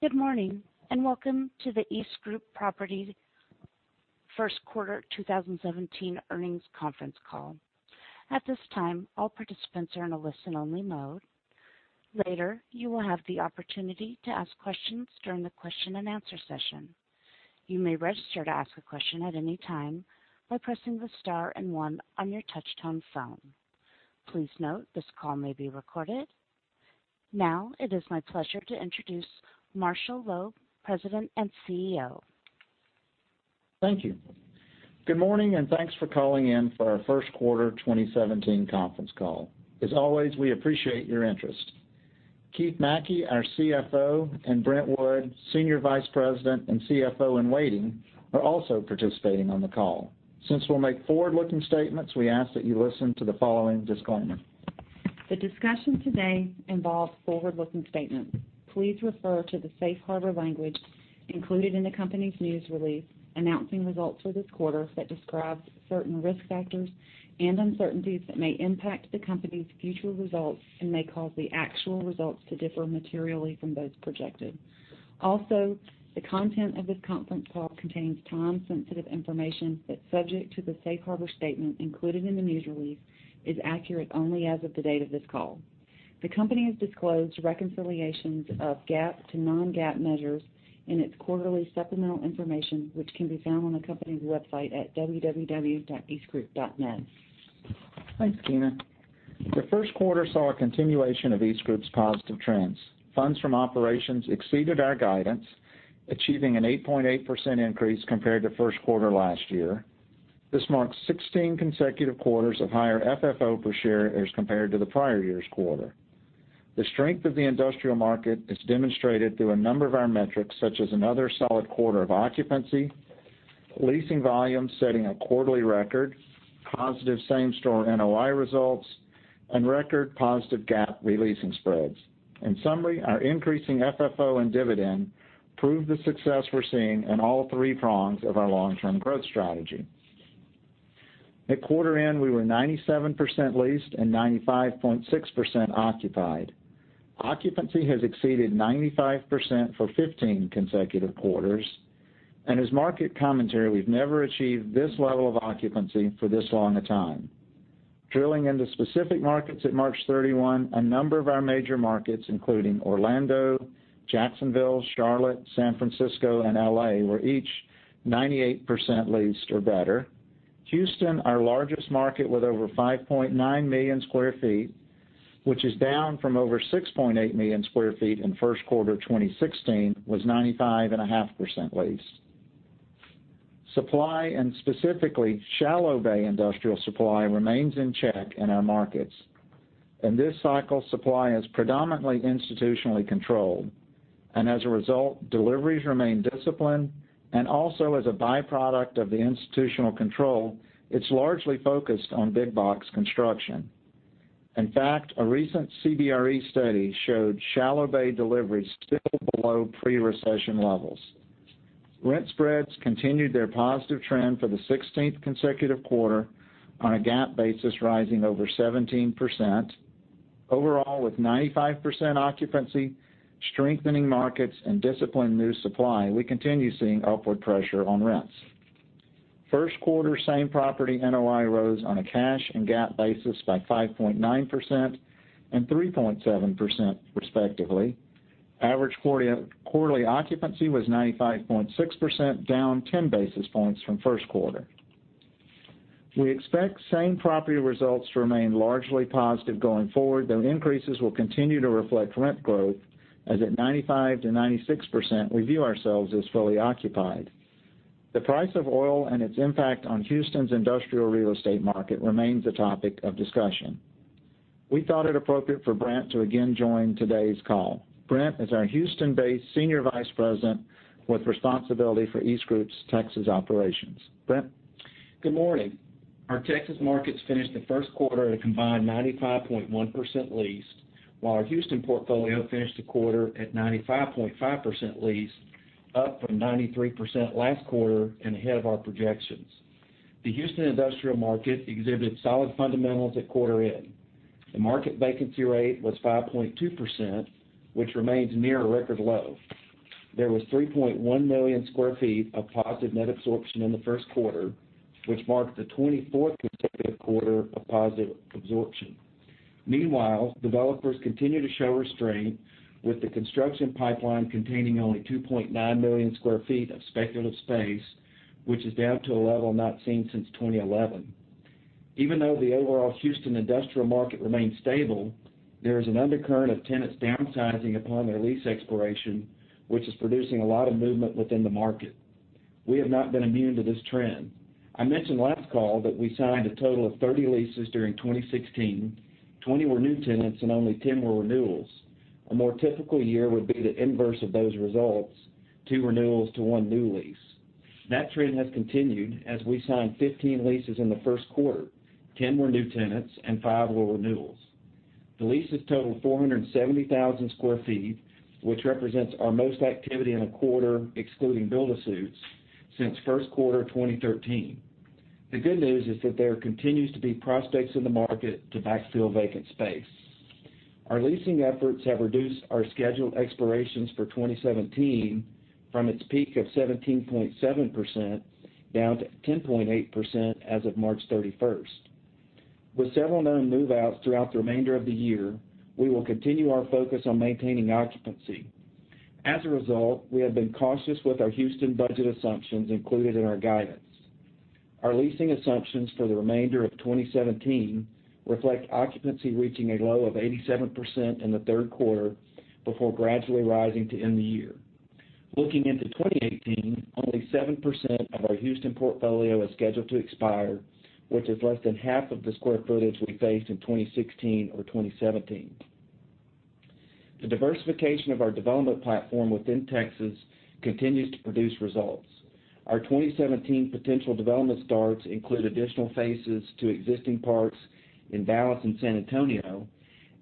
Good morning, and welcome to the EastGroup Properties first quarter 2017 earnings conference call. At this time, all participants are in a listen-only mode. Later, you will have the opportunity to ask questions during the question and answer session. You may register to ask a question at any time by pressing the star and one on your touchtone phone. Please note, this call may be recorded. Now, it is my pleasure to introduce Marshall Loeb, President and CEO. Thank you. Good morning, and thanks for calling in for our first quarter 2017 conference call. As always, we appreciate your interest. Keith McKey, our CFO, and Brent Wood, Senior Vice President and CFO in waiting, are also participating on the call. Since we'll make forward-looking statements, we ask that you listen to the following disclaimer. The discussion today involves forward-looking statements. Please refer to the safe harbor language included in the company's news release announcing results for this quarter that describes certain risk factors and uncertainties that may impact the company's future results and may cause the actual results to differ materially from those projected. Also, the content of this conference call contains time-sensitive information that's subject to the safe harbor statement included in the news release is accurate only as of the date of this call. The company has disclosed reconciliations of GAAP to non-GAAP measures in its quarterly supplemental information, which can be found on the company's website at www.eastgroup.net. Thanks, Gina. The first quarter saw a continuation of EastGroup's positive trends. Funds From Operations exceeded our guidance, achieving an 8.8% increase compared to first quarter last year. This marks 16 consecutive quarters of higher FFO per share as compared to the prior year's quarter. The strength of the industrial market is demonstrated through a number of our metrics, such as another solid quarter of occupancy, leasing volume setting a quarterly record, positive same-store NOI results, and record positive GAAP re-leasing spreads. In summary, our increasing FFO and dividend prove the success we're seeing in all three prongs of our long-term growth strategy. At quarter end, we were 97% leased and 95.6% occupied. Occupancy has exceeded 95% for 15 consecutive quarters. As market commentary, we've never achieved this level of occupancy for this long a time. Drilling into specific markets at March 31, a number of our major markets, including Orlando, Jacksonville, Charlotte, San Francisco, and L.A., were each 98% leased or better. Houston, our largest market with over 5.9 million square feet, which is down from over 6.8 million square feet in first quarter of 2016, was 95.5% leased. Supply and specifically shallow bay industrial supply remains in check in our markets. In this cycle, supply is predominantly institutionally controlled, and as a result, deliveries remain disciplined, and also as a byproduct of the institutional control, it is largely focused on big box construction. In fact, a recent CBRE study showed shallow bay deliveries still below pre-recession levels. Rent spreads continued their positive trend for the 16th consecutive quarter on a GAAP basis, rising over 17%. Overall, with 95% occupancy, strengthening markets, and disciplined new supply, we continue seeing upward pressure on rents. First quarter same-property NOI rose on a cash and GAAP basis by 5.9% and 3.7% respectively. Average quarterly occupancy was 95.6%, down 10 basis points from first quarter. We expect same-property results to remain largely positive going forward, though increases will continue to reflect rent growth, as at 95%-96%, we view ourselves as fully occupied. The price of oil and its impact on Houston's industrial real estate market remains a topic of discussion. We thought it appropriate for Brent to again join today's call. Brent is our Houston-based Senior Vice President with responsibility for EastGroup's Texas operations. Brent? Good morning. Our Texas markets finished the first quarter at a combined 95.1% leased, while our Houston portfolio finished the quarter at 95.5% leased, up from 93% last quarter and ahead of our projections. The Houston industrial market exhibited solid fundamentals at quarter end. The market vacancy rate was 5.2%, which remains near a record low. There was 3.1 million square feet of positive net absorption in the first quarter, which marked the 24th consecutive quarter of positive absorption. Meanwhile, developers continue to show restraint with the construction pipeline containing only 2.9 million square feet of speculative space, which is down to a level not seen since 2011. Even though the overall Houston industrial market remains stable, there is an undercurrent of tenants downsizing upon their lease expiration, which is producing a lot of movement within the market. We have not been immune to this trend. I mentioned last call that we signed a total of 30 leases during 2016. 20 were new tenants and only 10 were renewals. A more typical year would be the inverse of those results, two renewals to one new lease. That trend has continued as we signed 15 leases in the first quarter. 10 were new tenants and five were renewals. The leases totaled 470,000 square feet, which represents our most activity in a quarter, excluding build-to-suits, since first quarter of 2013. The good news is that there continues to be prospects in the market to backfill vacant space. Our leasing efforts have reduced our scheduled expirations for 2017 from its peak of 17.7% down to 10.8% as of March 31st. With several known move-outs throughout the remainder of the year, we will continue our focus on maintaining occupancy. As a result, we have been cautious with our Houston budget assumptions included in our guidance. Our leasing assumptions for the remainder of 2017 reflect occupancy reaching a low of 87% in the third quarter before gradually rising to end the year. Looking into 2018, only 7% of our Houston portfolio is scheduled to expire, which is less than half of the square footage we faced in 2016 or 2017. The diversification of our development platform within Texas continues to produce results. Our 2017 potential development starts include additional phases to existing parks in Dallas and San Antonio.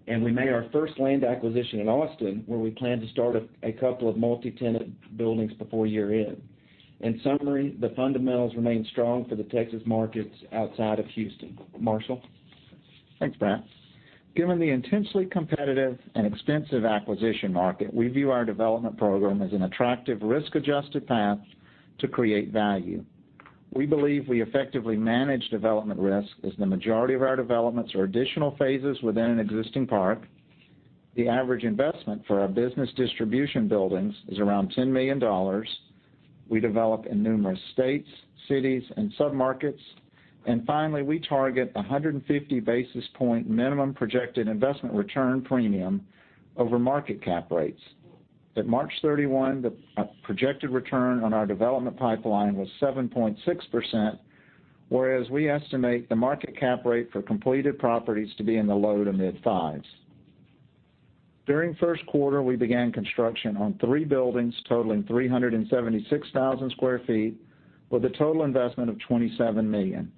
We made our first land acquisition in Austin, where we plan to start a couple of multi-tenant buildings before year-end. In summary, the fundamentals remain strong for the Texas markets outside of Houston. Marshall? Thanks, Brent. Given the intensely competitive and expensive acquisition market, we view our development program as an attractive risk-adjusted path to create value. We believe we effectively manage development risk, as the majority of our developments are additional phases within an existing park. The average investment for our business distribution buildings is around $10 million. We develop in numerous states, cities, and submarkets. Finally, we target 150 basis point minimum projected investment return premium over market cap rates. At March 31, the projected return on our development pipeline was 7.6%, whereas we estimate the market cap rate for completed properties to be in the low to mid 5s. During the first quarter, we began construction on three buildings totaling 376,000 square feet, with a total investment of $27 million.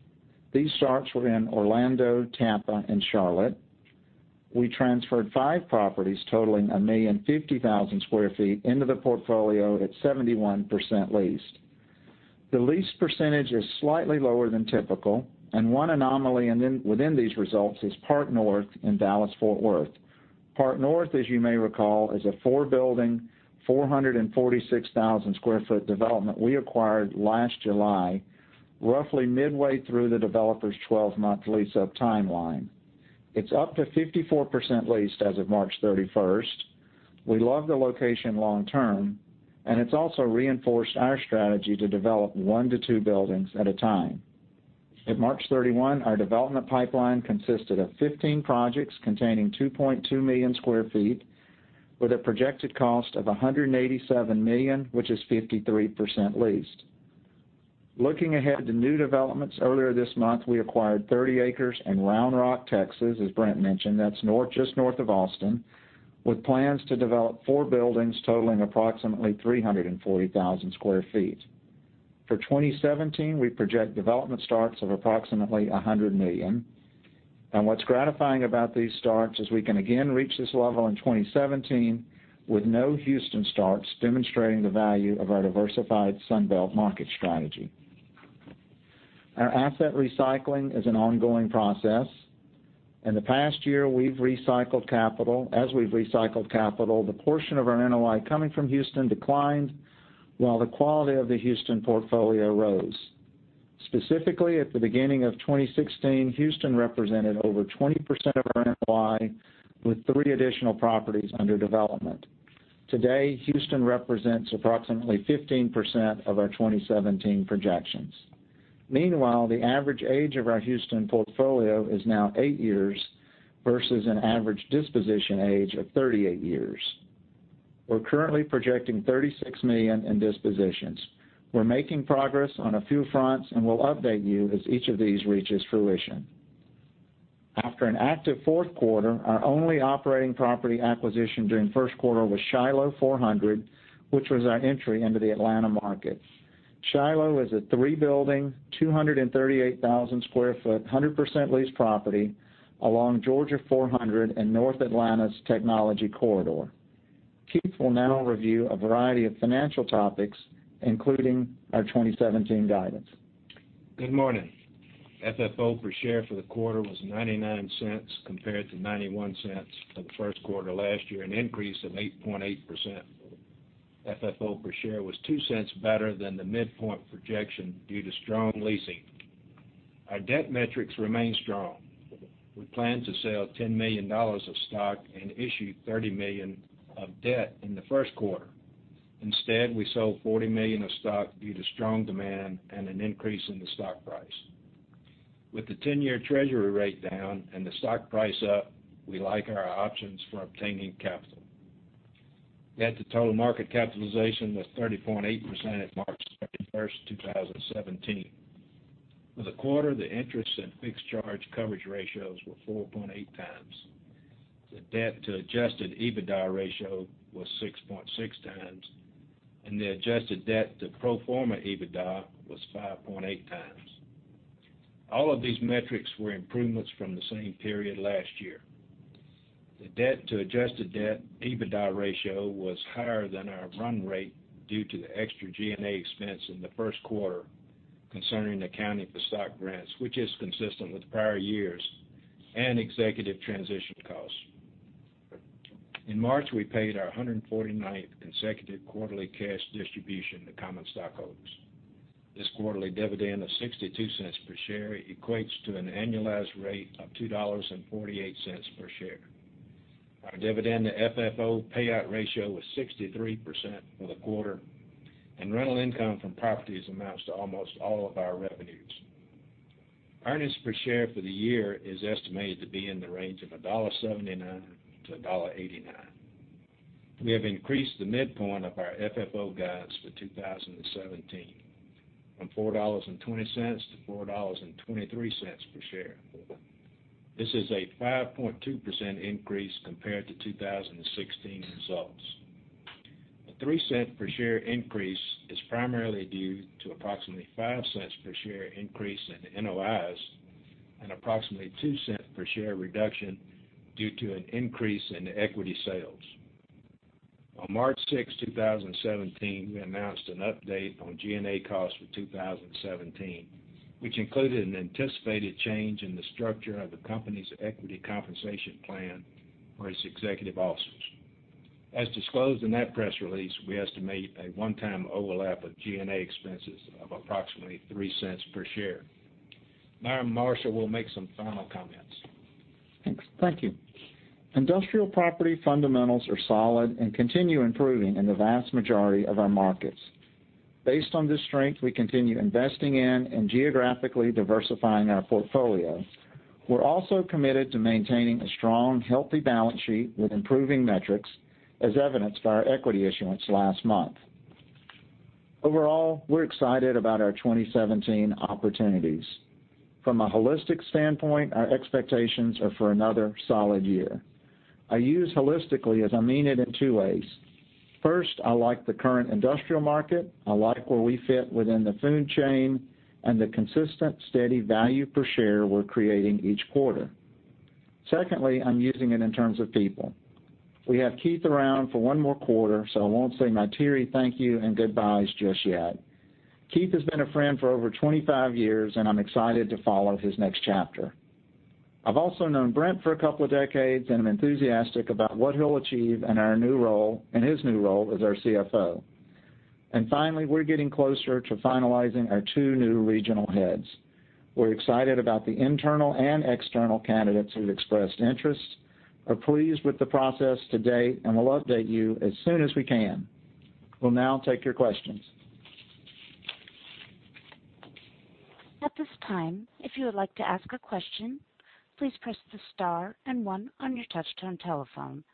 These starts were in Orlando, Tampa, and Charlotte. We transferred five properties totaling 1,050,000 square feet into the portfolio at 71% leased. The lease percentage is slightly lower than typical. One anomaly within these results is Park North in Dallas-Fort Worth. Park North, as you may recall, is a four-building, 446,000 square foot development we acquired last July, roughly midway through the developer's 12-month lease-up timeline. It's up to 54% leased as of March 31. We love the location long-term. It's also reinforced our strategy to develop one to two buildings at a time. At March 31, our development pipeline consisted of 15 projects containing 2.2 million square feet with a projected cost of $187 million, which is 53% leased. Looking ahead to new developments, earlier this month, we acquired 30 acres in Round Rock, Texas, as Brent mentioned, that's just north of Austin, with plans to develop four buildings totaling approximately 340,000 square feet. For 2017, we project development starts of approximately $100 million. What's gratifying about these starts is we can again reach this level in 2017 with no Houston starts, demonstrating the value of our diversified Sun Belt market strategy. Our asset recycling is an ongoing process. In the past year, as we've recycled capital, the portion of our NOI coming from Houston declined, while the quality of the Houston portfolio rose. Specifically, at the beginning of 2016, Houston represented over 20% of our NOI, with three additional properties under development. Today, Houston represents approximately 15% of our 2017 projections. Meanwhile, the average age of our Houston portfolio is now eight years versus an average disposition age of 38 years. We're currently projecting $36 million in dispositions. We're making progress on a few fronts. We'll update you as each of these reaches fruition. After an active fourth quarter, our only operating property acquisition during the first quarter was Shiloh 400, which was our entry into the Atlanta market. Shiloh is a three-building, 238,000 sq ft, 100% leased property along Georgia 400 and North Atlanta's technology corridor. Keith will now review a variety of financial topics, including our 2017 guidance. Good morning. FFO per share for the quarter was $0.99 compared to $0.91 for the first quarter last year, an increase of 8.8%. FFO per share was $0.02 better than the midpoint projection due to strong leasing. Our debt metrics remain strong. We planned to sell $10 million of stock and issue $30 million of debt in the first quarter. Instead, we sold $40 million of stock due to strong demand and an increase in the stock price. With the 10-year treasury rate down and the stock price up, we like our options for obtaining capital. The total market capitalization was 30.8% at March 31st, 2017. For the quarter, the interest and fixed charge coverage ratios were 4.8 times. The debt to adjusted EBITDA ratio was 6.6 times, and the adjusted debt to pro forma EBITDA was 5.8 times. All of these metrics were improvements from the same period last year. The debt to adjusted EBITDA ratio was higher than our run rate due to the extra G&A expense in the first quarter concerning accounting for stock grants, which is consistent with prior years and executive transition costs. In March, we paid our 149th consecutive quarterly cash distribution to common stockholders. This quarterly dividend of $0.62 per share equates to an annualized rate of $2.48 per share. Rental income from properties amounts to almost all of our revenues. Earnings per share for the year is estimated to be in the range of $1.79-$1.89. We have increased the midpoint of our FFO guidance for 2017 from $4.20-$4.23 per share. This is a 5.2% increase compared to 2016 results. The $0.03 per share increase is primarily due to approximately $0.05 per share increase in the NOIs and approximately $0.02 per share reduction due to an increase in equity sales. On March 6, 2017, we announced an update on G&A costs for 2017, which included an anticipated change in the structure of the company's equity compensation plan for its executive officers. As disclosed in that press release, we estimate a one-time overlap of G&A expenses of approximately $0.03 per share. Now to Marshall, who will make some final comments. Thanks. Thank you. Industrial property fundamentals are solid and continue improving in the vast majority of our markets. Based on this strength, we continue investing in and geographically diversifying our portfolio. We are also committed to maintaining a strong, healthy balance sheet with improving metrics, as evidenced by our equity issuance last month. Overall, we are excited about our 2017 opportunities. From a holistic standpoint, our expectations are for another solid year. I use holistically, as I mean it, in two ways. First, I like the current industrial market. I like where we fit within the food chain and the consistent, steady value per share we are creating each quarter. Secondly, I am using it in terms of people. We have Keith around for one more quarter, so I will not say my teary thank you and goodbyes just yet. Keith has been a friend for over 25 years, and I am excited to follow his next chapter. I have also known Brent for a couple of decades, and I am enthusiastic about what he will achieve in his new role as our CFO. Finally, we are getting closer to finalizing our two new regional heads. We are excited about the internal and external candidates who have expressed interest, are pleased with the process to date, and will update you as soon as we can. We will now take your questions. At this time, if you would like to ask a question, please press the star and one on your touchtone telephone.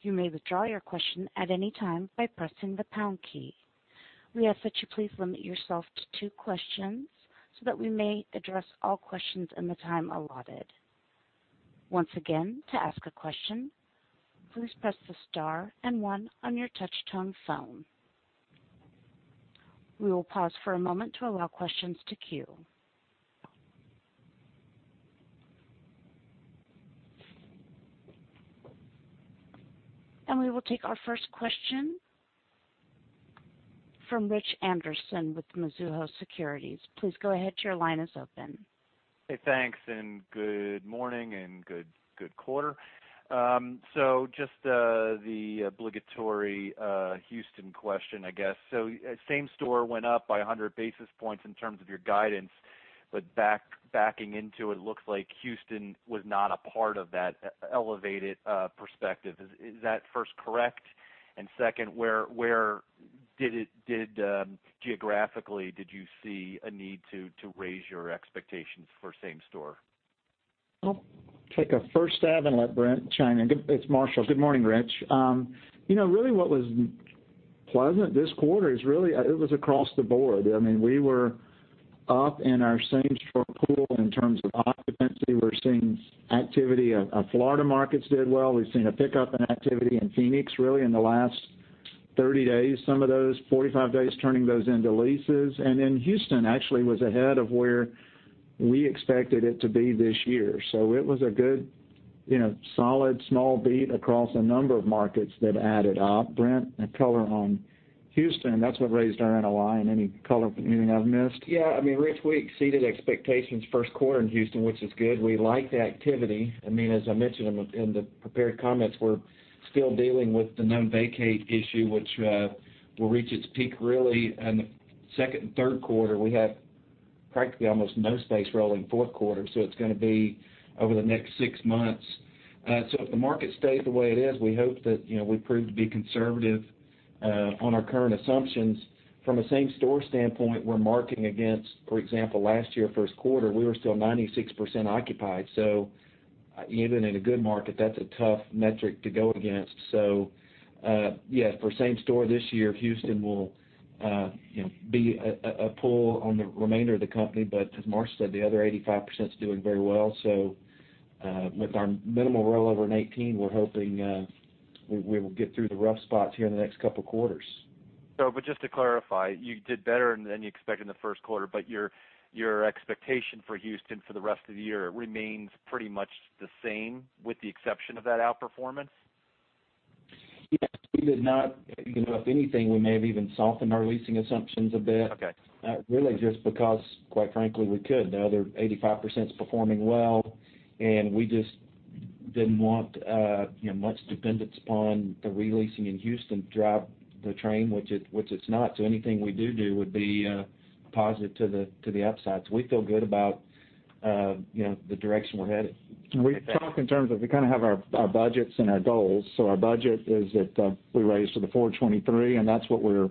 You may withdraw your question at any time by pressing the pound key. We ask that you please limit yourself to two questions so that we may address all questions in the time allotted. Once again, to ask a question, please press the star and one on your touchtone phone. We will pause for a moment to allow questions to queue. We will take our first question from Richard Anderson with Mizuho Securities. Please go ahead. Your line is open. Hey, thanks. Good morning and good quarter. Just the obligatory Houston question, I guess. Same-store went up by 100 basis points in terms of your guidance. Backing into it looks like Houston was not a part of that elevated perspective. Is that, first, correct? Second, where geographically did you see a need to raise your expectations for same-store? I'll take a first stab and let Brent chime in. It's Marshall. Good morning, Rich. What was pleasant this quarter is really it was across the board. We were up in our same-store pool in terms of occupancy. We're seeing activity. Our Florida markets did well. We've seen a pickup in activity in Phoenix, really in the last 30 days, some of those 45 days, turning those into leases. Houston actually was ahead of where we expected it to be this year. It was a good, solid, small beat across a number of markets that added up. Brent, any color on Houston that's what raised our NOI? Any color anything I've missed? Rich, we exceeded expectations first quarter in Houston, which is good. We like the activity. As I mentioned in the prepared comments, we're still dealing with the non-vacate issue, which will reach its peak really in the second and third quarter. We have practically almost no space rolling fourth quarter. It's going to be over the next six months. If the market stays the way it is, we hope that we prove to be conservative on our current assumptions. From a same-store standpoint, we're marking against, for example, last year, first quarter, we were still 96% occupied. Even in a good market, that's a tough metric to go against. For same-store this year, Houston will be a pull on the remainder of the company. As Marshall said, the other 85% is doing very well. With our minimal rollover in 2018, we're hoping we will get through the rough spots here in the next couple quarters. Just to clarify, you did better than you expected in the first quarter, your expectation for Houston for the rest of the year remains pretty much the same, with the exception of that outperformance? Yes. If anything, we may have even softened our leasing assumptions a bit. Okay. Just because, quite frankly, we could. The other 85% performing well, and we just didn't want much dependence upon the re-leasing in Houston to drive the train, which it's not. Anything we do would be a positive to the upside. We feel good about the direction we're headed. We talk in terms of, we kind of have our budgets and our goals. Our budget is that we raised to the 423, and that's what we're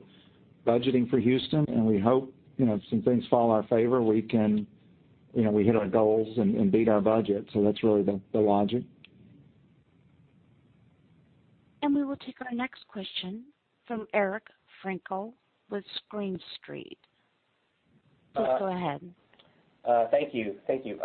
budgeting for Houston, and we hope some things fall in our favor, we hit our goals and beat our budget. That's really the logic. We will take our next question from Eric Frankel with Green Street. Please go ahead. Thank you.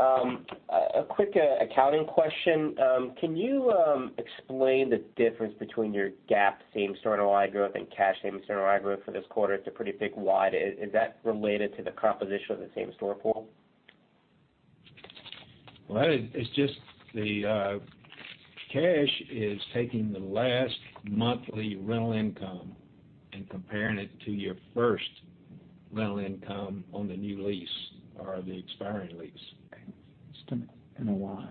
A quick accounting question. Can you explain the difference between your GAAP same-store NOI growth and cash same-store NOI growth for this quarter? It's a pretty big wide. Is that related to the composition of the same-store pool? Well, that is just the cash is taking the last monthly rental income and comparing it to your first rental income on the new lease or the expiring lease. It's the NOI.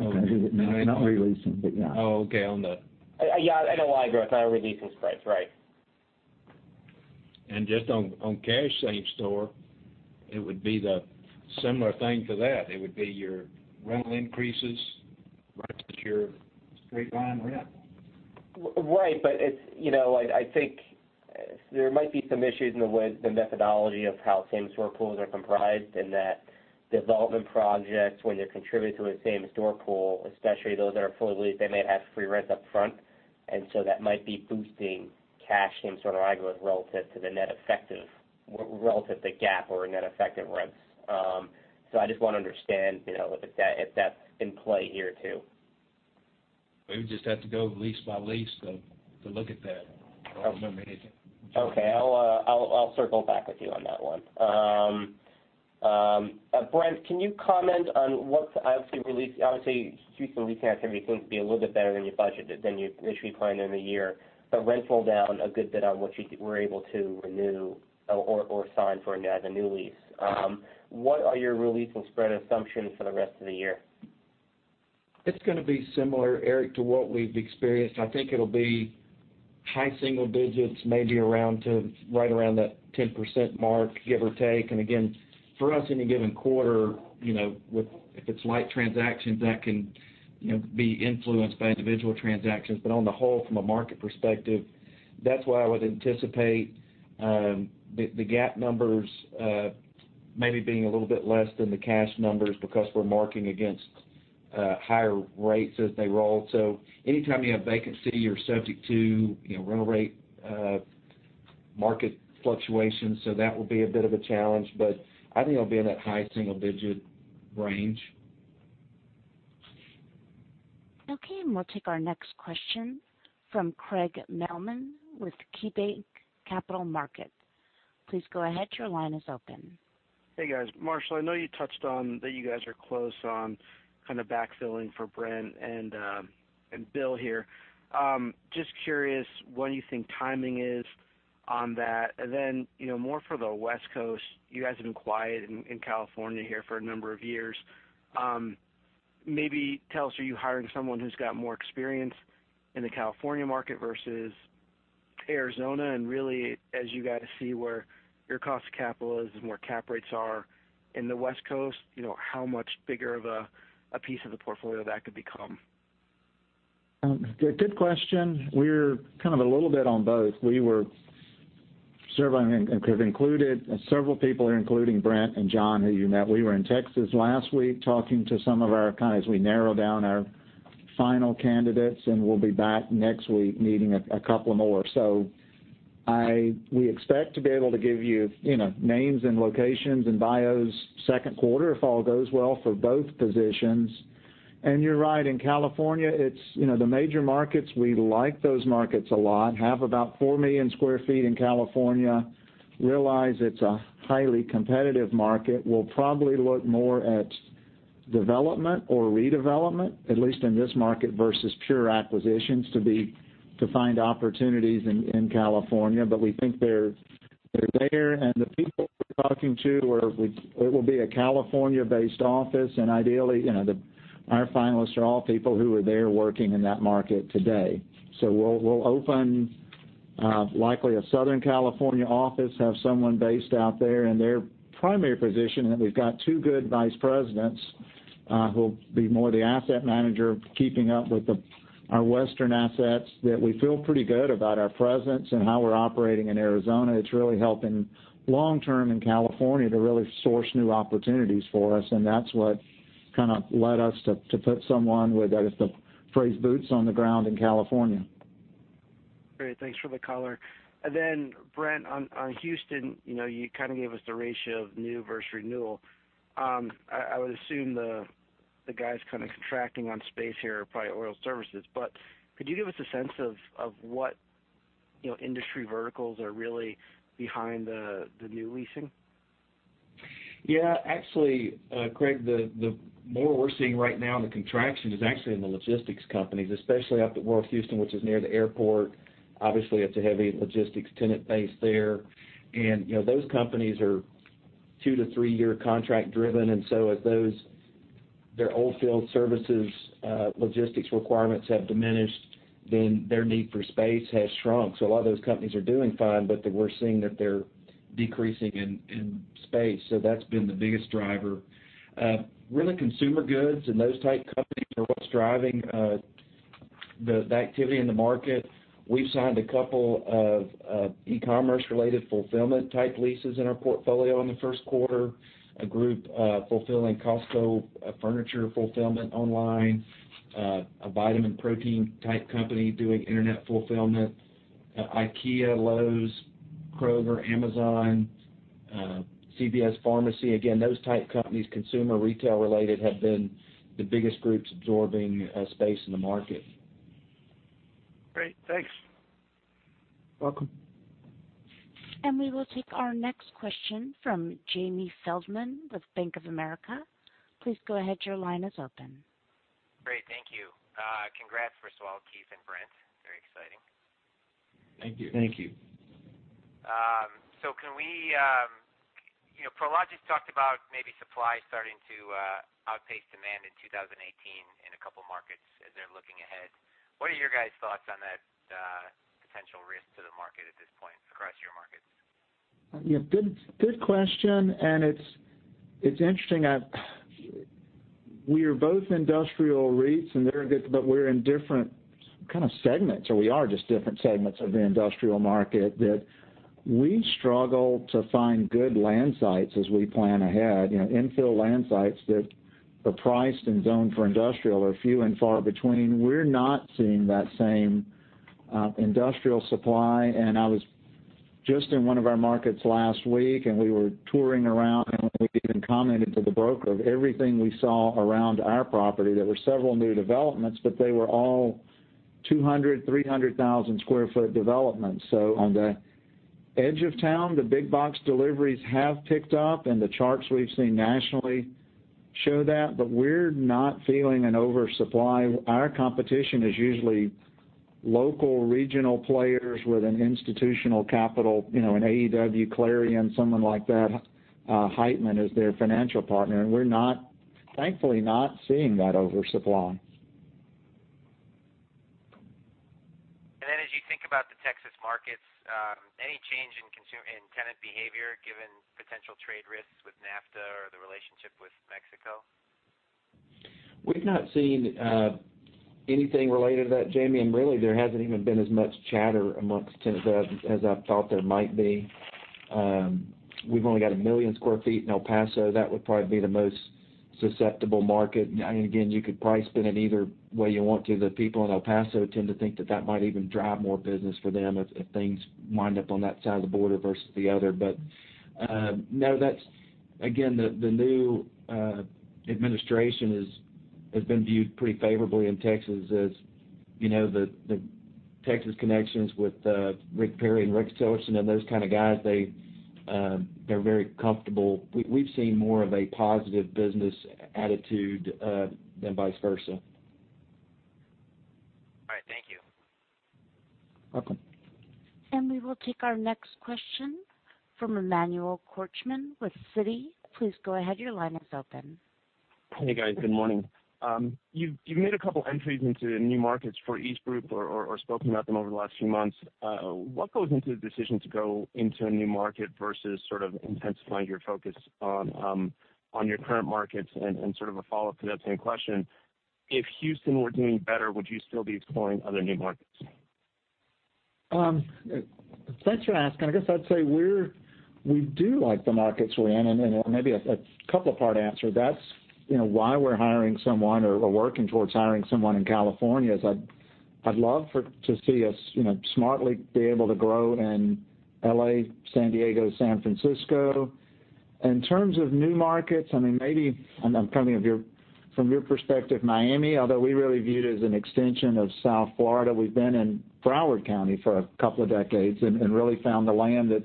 Okay. Not re-leasing, yeah. Oh, okay. On the NOI growth, our re-leasing spreads. Right. Just on cash same-store, it would be the similar thing to that. It would be your rental increases versus your straight-line rent. Right. I think there might be some issues in the way the methodology of how same-store pools are comprised, in that development projects, when they contribute to a same-store pool, especially those that are fully leased, they may have free rent up front, and that might be boosting cash same-store NOI growth relative to GAAP or net effective rents. I just want to understand if that's in play here, too. We would just have to go lease by lease to look at that. I don't remember anything. Okay. I'll circle back with you on that one. Brent, can you comment on what obviously, Houston re-leasing activity seems to be a little bit better than you initially planned in the year. Rents were down a good bit on what you were able to renew or sign for a new lease. What are your re-leasing spread assumptions for the rest of the year? It's going to be similar, Eric, to what we've experienced. I think it'll be high single digits, maybe right around that 10% mark, give or take. Again, for us, any given quarter, if it's light transaction, that can be influenced by individual transactions. On the whole, from a market perspective, that's why I would anticipate the GAAP numbers maybe being a little bit less than the cash numbers because we're marking against higher rates as they roll. Anytime you have vacancy, you're subject to rental rate market fluctuations. That will be a bit of a challenge. I think it'll be in that high single-digit range. Okay. We'll take our next question from Craig Mailman with KeyBank Capital Markets. Please go ahead. Your line is open. Hey, guys. Marshall, I know you touched on that you guys are close on kind of backfilling for Brent and Bill here. Curious what you think timing is on that. More for the West Coast, you guys have been quiet in California here for a number of years. Maybe tell us, are you hiring someone who's got more experience in the California market versus Arizona? As you guys see where your cost of capital is and where cap rates are in the West Coast, how much bigger of a piece of the portfolio that could become? Good question. We're kind of a little bit on both. We've included several people, including Brent and John, who you met. We were in Texas last week talking to some of our candidates. We narrowed down our final candidates, we'll be back next week meeting a couple more. We expect to be able to give you names and locations and bios second quarter, if all goes well, for both positions. You're right, in California, the major markets, we like those markets a lot. Have about 4 million sq ft in California. Realize it's a highly competitive market. We'll probably look more at development or redevelopment, at least in this market, versus pure acquisitions to find opportunities in California. We think they're there, and the people we're talking to, it will be a California-based office, and ideally, our finalists are all people who are there working in that market today. We'll open likely a Southern California office, have someone based out there. Their primary position, and we've got two good vice presidents who will be more the asset manager, keeping up with our Western assets, that we feel pretty good about our presence and how we're operating in Arizona. It's really helping long-term in California to really source new opportunities for us, and that's what kind of led us to put someone with, I guess the phrase, boots on the ground in California. Great. Thanks for the color. Brent, on Houston, you kind of gave us the ratio of new versus renewal. I would assume the The guys kind of contracting on space here are probably oil services. Could you give us a sense of what industry verticals are really behind the new leasing? Actually, Craig, the more we're seeing right now in the contraction is actually in the logistics companies, especially up at North Houston, which is near the airport. Obviously, it's a heavy logistics tenant base there. Those companies are 2- to 3-year contract driven. As their oil field services logistics requirements have diminished, their need for space has shrunk. A lot of those companies are doing fine, but we're seeing that they're decreasing in space. That's been the biggest driver. Really consumer goods and those type companies are what's driving the activity in the market. We've signed a couple of e-commerce related fulfillment type leases in our portfolio in the first quarter, a group fulfilling Costco furniture fulfillment online, a vitamin protein type company doing internet fulfillment, IKEA, Lowe's, Kroger, Amazon, CVS Pharmacy. Again, those type companies, consumer retail related, have been the biggest groups absorbing space in the market. Great. Thanks. Welcome. We will take our next question from Jamie Feldman with Bank of America. Please go ahead, your line is open. Great. Thank you. Congrats, first of all, Keith and Brent. Very exciting. Thank you. Thank you. Can we Prologis talked about maybe supply starting to outpace demand in 2018 in a couple markets as they're looking ahead. What are your guys' thoughts on that potential risk to the market at this point across your markets? Good question. It's interesting. We are both industrial REITs, but we're in different kind of segments, or we are just different segments of the industrial market, that we struggle to find good land sites as we plan ahead. Infill land sites that are priced and zoned for industrial are few and far between. We're not seeing that same industrial supply. I was just in one of our markets last week, and we were touring around, and we even commented to the broker of everything we saw around our property. There were several new developments, but they were all 200,000, 300,000 square foot developments. On the edge of town, the big box deliveries have picked up, and the charts we've seen nationally show that, but we're not feeling an oversupply. Our competition is usually local regional players with an institutional capital, an AEW, Clarion, someone like that. Heitman is their financial partner. We're thankfully not seeing that oversupply. As you think about the Texas markets, any change in tenant behavior given potential trade risks with NAFTA or the relationship with Mexico? We've not seen anything related to that, Jamie, really there hasn't even been as much chatter amongst tenants as I thought there might be. We've only got 1 million square feet in El Paso. That would probably be the most susceptible market. Again, you could probably spin it either way you want to. The people in El Paso tend to think that that might even drive more business for them if things wind up on that side of the border versus the other. No, again, the new administration has been viewed pretty favorably in Texas as the Texas connections with Rick Perry and Rex Tillerson and those kind of guys, they're very comfortable. We've seen more of a positive business attitude than vice versa. All right. Thank you. Welcome. We will take our next question from Emmanuel Korchman with Citi. Please go ahead, your line is open. Hey, guys. Good morning. You've made a couple entries into new markets for EastGroup or spoken about them over the last few months. What goes into the decision to go into a new market versus sort of intensifying your focus on your current markets? Sort of a follow-up to that same question, if Houston were doing better, would you still be exploring other new markets? Thanks for asking. I guess I'd say we do like the markets we're in, and maybe a couple of part answer. That's why we're hiring someone or working towards hiring someone in California, as I'd love to see us smartly be able to grow in L.A., San Diego, San Francisco. In terms of new markets, maybe, and I'm coming from your perspective, Miami, although we really view it as an extension of South Florida. We've been in Broward County for a couple of decades and really found the land that's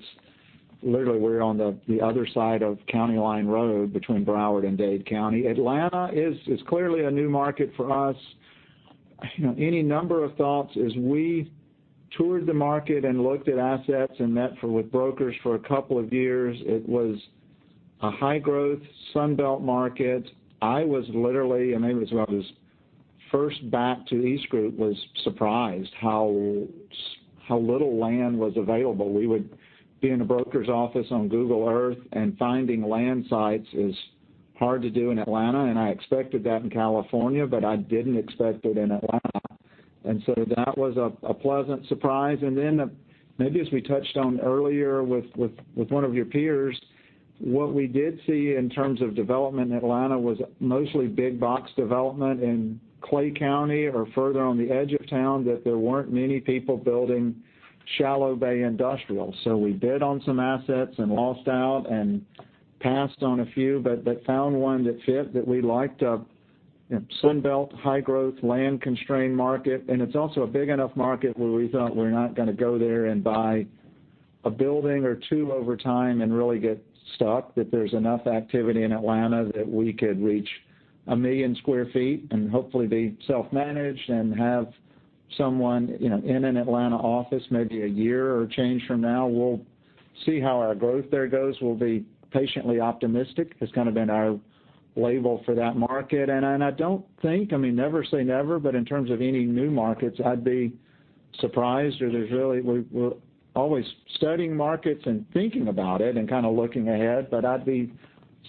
literally we're on the other side of County Line Road between Broward and Dade County. Atlanta is clearly a new market for us. Any number of thoughts as we toured the market and looked at assets and met with brokers for a couple of years. It was a high-growth Sun Belt market. I was literally, and maybe this was when I was first back to EastGroup, was surprised how little land was available. We would be in a broker's office on Google Earth, and finding land sites is hard to do in Atlanta, and I expected that in California, but I didn't expect it in Atlanta. That was a pleasant surprise. Maybe as we touched on earlier with one of your peers, what we did see in terms of development in Atlanta was mostly big box development in Clayton County or further on the edge of town, that there weren't many people building shallow bay industrial. We bid on some assets and lost out and passed on a few, but found one that fit that we liked a Yeah. Sunbelt, high growth, land-constrained market. It's also a big enough market where we thought we're not going to go there and buy a building or two over time and really get stuck, that there's enough activity in Atlanta that we could reach 1 million sq ft and hopefully be self-managed and have someone in an Atlanta office maybe a year or change from now. We'll see how our growth there goes. We'll be patiently optimistic, has kind of been our label for that market. I don't think, never say never, but in terms of any new markets, I'd be surprised. We're always studying markets and thinking about it and kind of looking ahead, but I'd be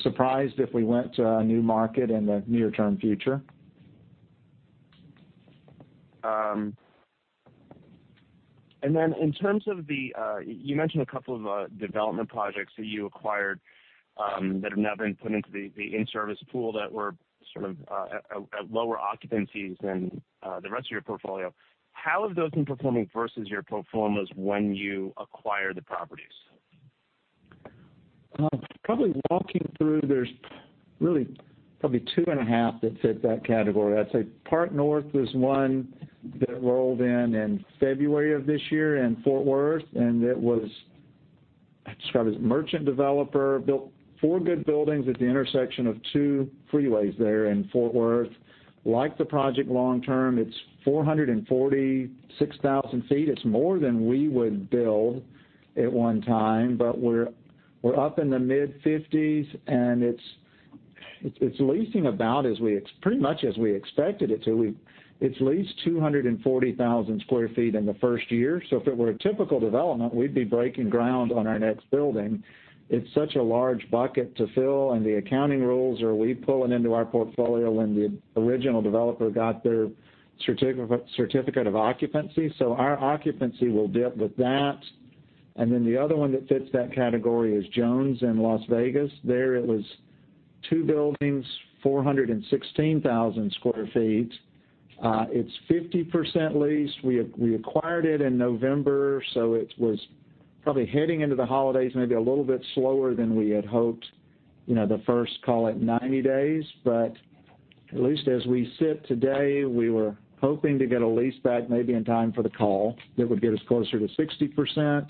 surprised if we went to a new market in the near-term future. In terms of the-- You mentioned a couple of development projects that you acquired, that have now been put into the in-service pool that were sort of at lower occupancies than the rest of your portfolio. How have those been performing versus your pro formas when you acquired the properties? Probably walking through, there's really probably two and a half that fit that category. I'd say Park North is one that rolled in in February of this year in Fort Worth, and it was described as merchant builder, built four good buildings at the intersection of two freeways there in Fort Worth. Like the project long term. It's 446,000 sq ft. It's more than we would build at one time, but we're up in the mid-50s, and it's leasing about as we pretty much as we expected it to. It's leased 240,000 sq ft in the first year, so if it were a typical development, we'd be breaking ground on our next building. It's such a large bucket to fill, and the accounting rules are we pull it into our portfolio when the original developer got their certificate of occupancy, so our occupancy will dip with that. The other one that fits that category is Jones in Las Vegas. There it was two buildings, 416,000 sq ft. It's 50% leased. We acquired it in November, so it was probably heading into the holidays maybe a little bit slower than we had hoped, the first, call it 90 days. But at least as we sit today, we were hoping to get a lease back maybe in time for the call. That would get us closer to 60%.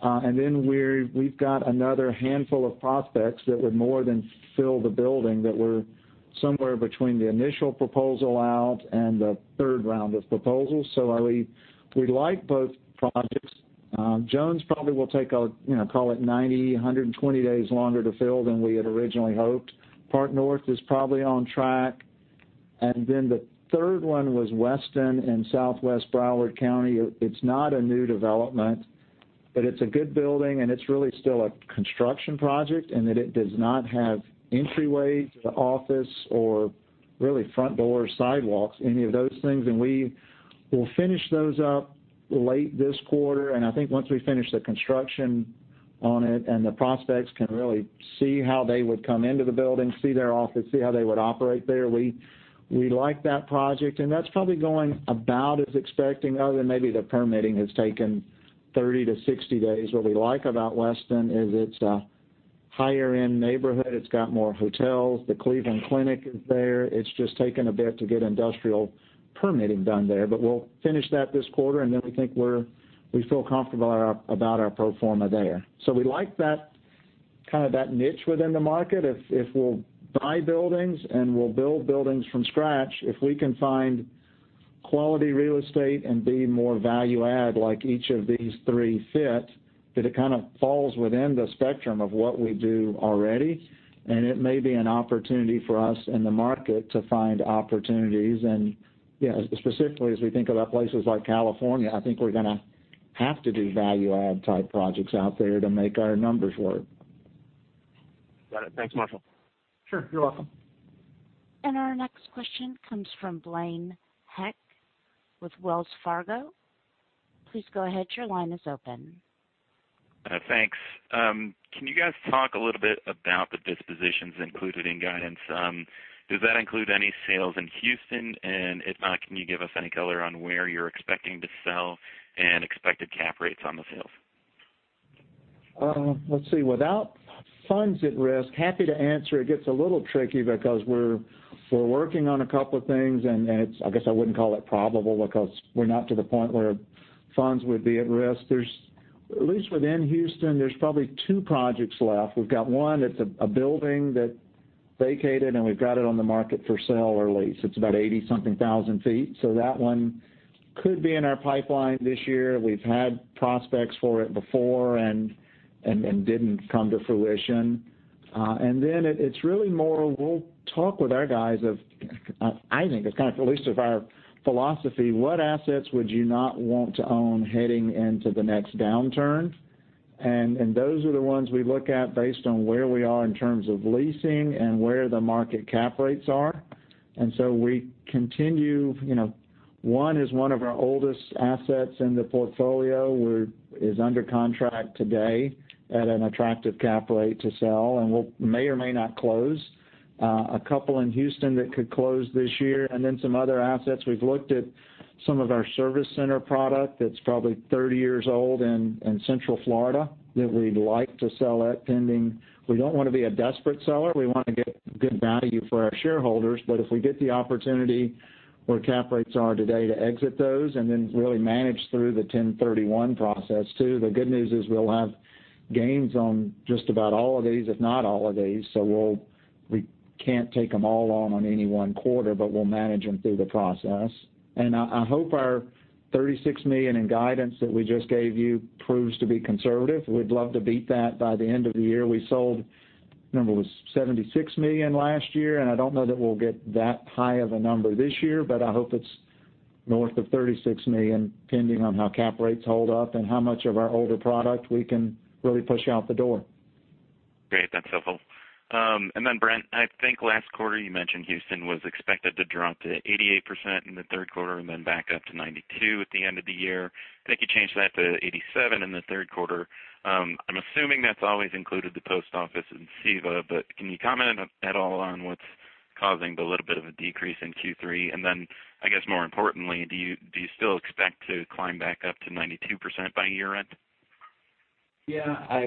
And then we've got another handful of prospects that would more than fill the building that we're somewhere between the initial proposal out and the third round of proposals. We like both projects. Jones probably will take, call it 90, 120 days longer to fill than we had originally hoped. Park North is probably on track. And then the third one was Weston in southwest Broward County. It's not a new development, but it's a good building, and it's really still a construction project in that it does not have entryway to the office or really front door, sidewalks, any of those things. We will finish those up late this quarter, and I think once we finish the construction on it and the prospects can really see how they would come into the building, see their office, see how they would operate there. We like that project, and that's probably going about as expecting, other than maybe the permitting has taken 30 to 60 days. What we like about Weston is it's a higher end neighborhood. It's got more hotels. The Cleveland Clinic is there. It's just taken a bit to get industrial permitting done there. But we'll finish that this quarter, and then we think we feel comfortable about our pro forma there. We like that kind of that niche within the market. If we'll buy buildings and we'll build buildings from scratch, if we can find quality real estate and be more value-add, like each of these three fit, that it kind of falls within the spectrum of what we do already. It may be an opportunity for us in the market to find opportunities. Specifically, as we think about places like California, I think we're going to have to do value-add type projects out there to make our numbers work. Got it. Thanks, Marshall. Sure. You're welcome. Our next question comes from Blaine Heck with Wells Fargo. Please go ahead. Your line is open. Thanks. Can you guys talk a little bit about the dispositions included in guidance? Does that include any sales in Houston? If not, can you give us any color on where you're expecting to sell and expected cap rates on the sales? Let's see. Without funds at risk, happy to answer. It gets a little tricky because we're working on a couple of things. I guess I wouldn't call it probable because we're not to the point where funds would be at risk. At least within Houston, there's probably two projects left. We've got one that's a building that vacated. We've got it on the market for sale or lease. It's about 80,000 feet. That one could be in our pipeline this year. We've had prospects for it before and didn't come to fruition. It's really more we'll talk with our guys of, I think it's kind of at least of our philosophy, what assets would you not want to own heading into the next downturn? Those are the ones we look at based on where we are in terms of leasing and where the market cap rates are. We continue. One is one of our oldest assets in the portfolio, is under contract today at an attractive cap rate to sell and may or may not close. A couple in Houston that could close this year. Some other assets. We've looked at some of our service center product that's probably 30 years old in Central Florida that we'd like to sell that pending. We don't want to be a desperate seller. We want to get good value for our shareholders. If we get the opportunity where cap rates are today to exit those, we really manage through the 1031 process too. The good news is we'll have gains on just about all of these, if not all of these. We can't take them all on any one quarter. We'll manage them through the process. I hope our $36 million in guidance that we just gave you proves to be conservative. We'd love to beat that by the end of the year. We sold, number was $76 million last year. I don't know that we'll get that high of a number this year. I hope it's north of $36 million, pending on how cap rates hold up and how much of our older product we can really push out the door. Great. That's helpful. Brent, I think last quarter you mentioned Houston was expected to drop to 88% in the third quarter and then back up to 92% at the end of the year. I think you changed that to 87% in the third quarter. I'm assuming that's always included the post office in SEVA. Can you comment at all on what's causing the little bit of a decrease in Q3? I guess more importantly, do you still expect to climb back up to 92% by year-end? Yeah.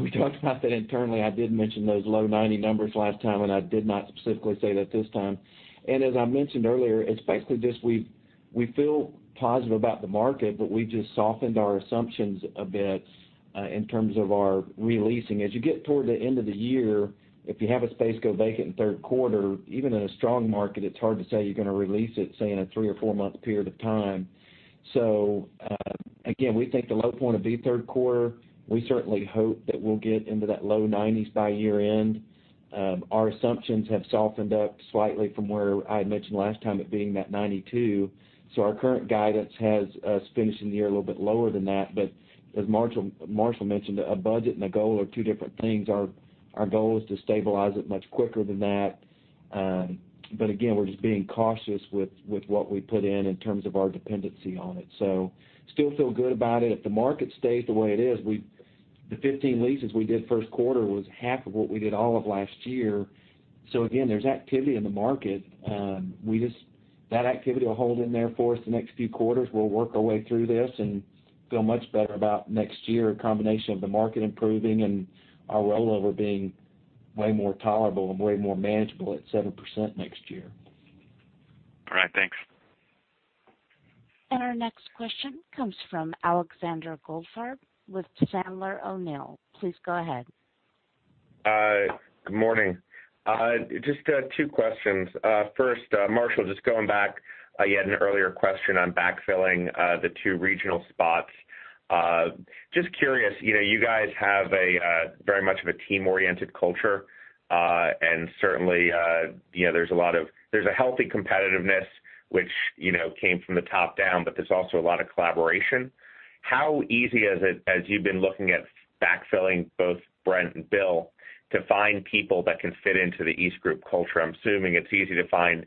We talked about that internally. I did mention those low 90 numbers last time. I did not specifically say that this time. As I mentioned earlier, it's basically just we feel positive about the market, but we just softened our assumptions a bit, in terms of our re-leasing. As you get toward the end of the year, if you have a space go vacant in third quarter, even in a strong market, it's hard to say you're going to re-lease it, say, in a three or four-month period of time. Again, we think the low point will be third quarter. We certainly hope that we'll get into that low 90s by year-end. Our assumptions have softened up slightly from where I had mentioned last time it being that 92. Our current guidance has us finishing the year a little bit lower than that. As Marshall mentioned, a budget and a goal are two different things. Our goal is to stabilize it much quicker than that. Again, we're just being cautious with what we put in terms of our dependency on it. Still feel good about it. If the market stays the way it is, the 15 leases we did first quarter was half of what we did all of last year. Again, there's activity in the market. If that activity will hold in there for us the next few quarters, we'll work our way through this and feel much better about next year, a combination of the market improving and our rollover being way more tolerable and way more manageable at 7% next year. All right. Thanks. Our next question comes from Alexander Goldfarb with Sandler O'Neill. Please go ahead. Good morning. Just two questions. First, Marshall, just going back. You had an earlier question on backfilling, the two regional spots. Just curious, you guys have very much of a team-oriented culture. Certainly, there's a healthy competitiveness which came from the top down, but there's also a lot of collaboration. How easy is it, as you've been looking at backfilling both Brent and Bill, to find people that can fit into the EastGroup culture? I'm assuming it's easy to find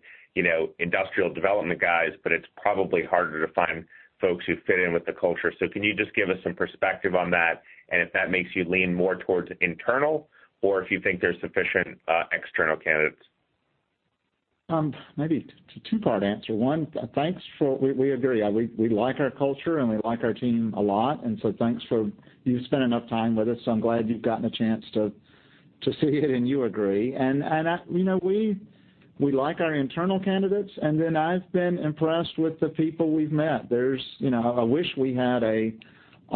industrial development guys, but it's probably harder to find folks who fit in with the culture. Can you just give us some perspective on that, and if that makes you lean more towards internal or if you think there's sufficient external candidates? Maybe it's a two-part answer. One, we agree. We like our culture, and we like our team a lot. Thanks. You've spent enough time with us, so I'm glad you've gotten a chance to see it, and you agree. We like our internal candidates, I've been impressed with the people we've met. I wish we had a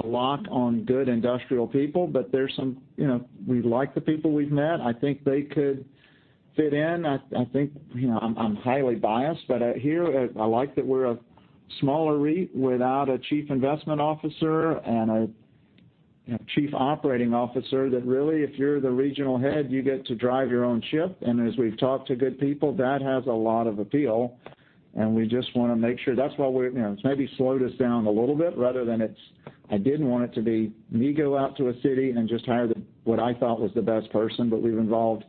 lock on good industrial people, but we like the people we've met. I think they could fit in. I'm highly biased, but here, I like that we're a smaller REIT without a Chief Investment Officer and a Chief Operating Officer that really, if you're the regional head, you get to drive your own ship. As we've talked to good people, that has a lot of appeal, and we just want to make sure That's why it's maybe slowed us down a little bit rather than it's I didn't want it to be me go out to a city and just hire what I thought was the best person. We've involved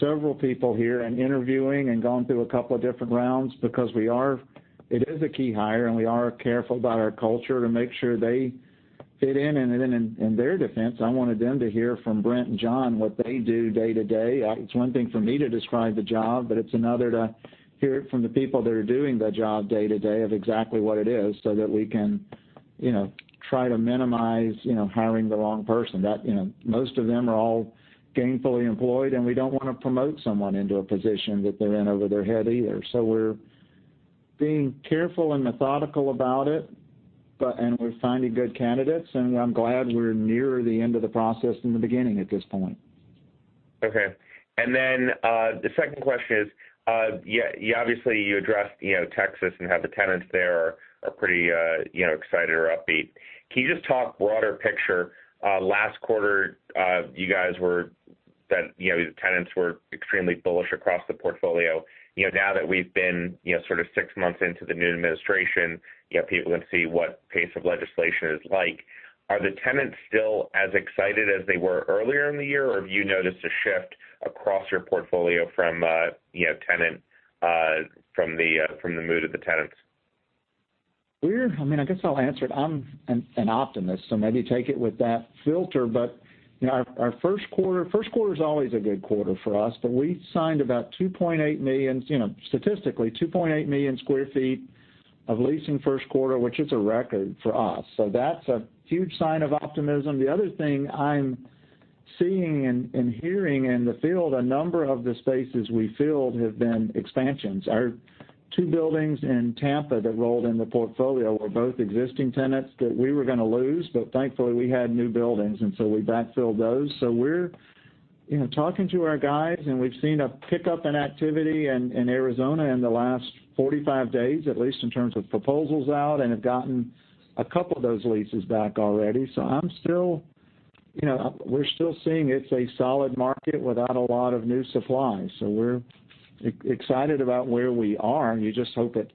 several people here in interviewing and gone through a couple of different rounds because it is a key hire, and we are careful about our culture to make sure they fit in. In their defense, I wanted them to hear from Brent and John what they do day-to-day. It's one thing for me to describe the job, but it's another to hear it from the people that are doing the job day-to-day of exactly what it is so that we can try to minimize hiring the wrong person. Most of them are all gainfully employed, and we don't want to promote someone into a position that they're in over their head either. We're being careful and methodical about it, and we're finding good candidates, and I'm glad we're nearer the end of the process than the beginning at this point. Okay. The second question is, obviously you addressed Texas and how the tenants there are pretty excited or upbeat. Can you just talk broader picture? Last quarter, the tenants were extremely bullish across the portfolio. Now that we've been sort of 6 months into the new administration, people can see what pace of legislation is like. Are the tenants still as excited as they were earlier in the year, or have you noticed a shift across your portfolio from the mood of the tenants? I guess I'll answer it. I'm an optimist, so maybe take it with that filter. Our first quarter is always a good quarter for us, but we signed about, statistically, 2.8 million square feet of leasing first quarter, which is a record for us. That's a huge sign of optimism. The other thing I'm seeing and hearing in the field, a number of the spaces we filled have been expansions. Our two buildings in Tampa that rolled in the portfolio were both existing tenants that we were going to lose, but thankfully, we had new buildings, and so we backfilled those. We're talking to our guys, and we've seen a pickup in activity in Arizona in the last 45 days, at least in terms of proposals out, and have gotten a couple of those leases back already. We're still seeing it's a solid market without a lot of new supply. We're excited about where we are, and you just hope it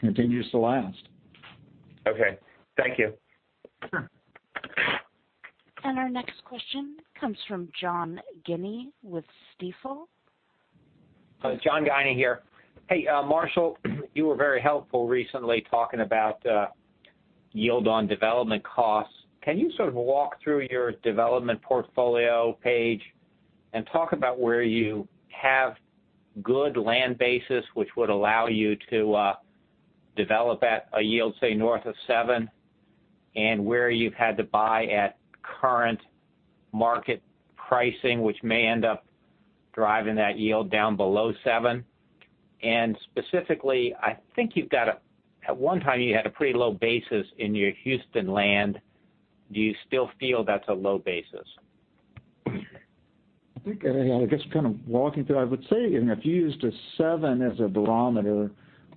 continues to last. Okay. Thank you. Sure. Our next question comes from John Guinee with Stifel. John Guinee here. Hey, Marshall, you were very helpful recently talking about yield on development costs. Can you sort of walk through your development portfolio page and talk about where you have good land basis, which would allow you to develop at a yield, say, north of seven, and where you've had to buy at current market pricing, which may end up driving that yield down below seven? Specifically, I think at one time you had a pretty low basis in your Houston land. Do you still feel that's a low basis? Just kind of walking through, I would say, if you used a seven as a barometer,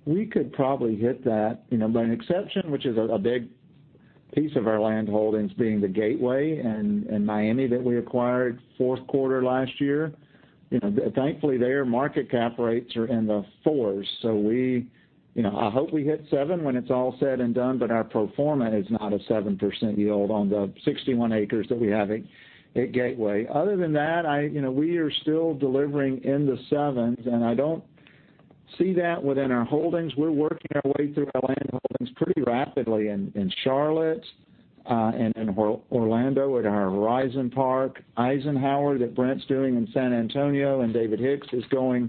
we could probably hit that. An exception, which is a big piece of our land holdings being The Gateway in Miami that we acquired fourth quarter last year. Thankfully, their market cap rates are in the fours. I hope we hit seven when it's all said and done, but our pro forma is not a 7% yield on the 61 acres that we have at Gateway. Other than that, we are still delivering in the sevens, and I don't see that within our holdings. We're working our way through our land holdings pretty rapidly in Charlotte and in Orlando at our Horizon Park. Eisenhower, that Brent's doing in San Antonio, and David Hicks is going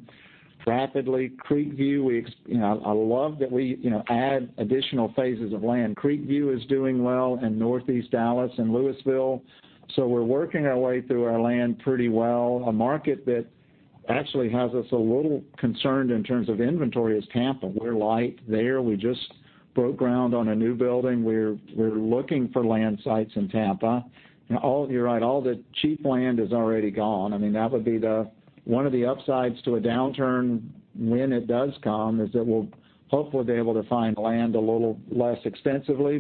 rapidly. I love that we add additional phases of land. CreekView is doing well in Northeast Dallas and Lewisville. We're working our way through our land pretty well. A market that actually has us a little concerned in terms of inventory is Tampa. We're light there. We just broke ground on a new building. We're looking for land sites in Tampa. You're right, all the cheap land is already gone. That would be one of the upsides to a downturn when it does come, is that we'll hopefully be able to find land a little less extensively.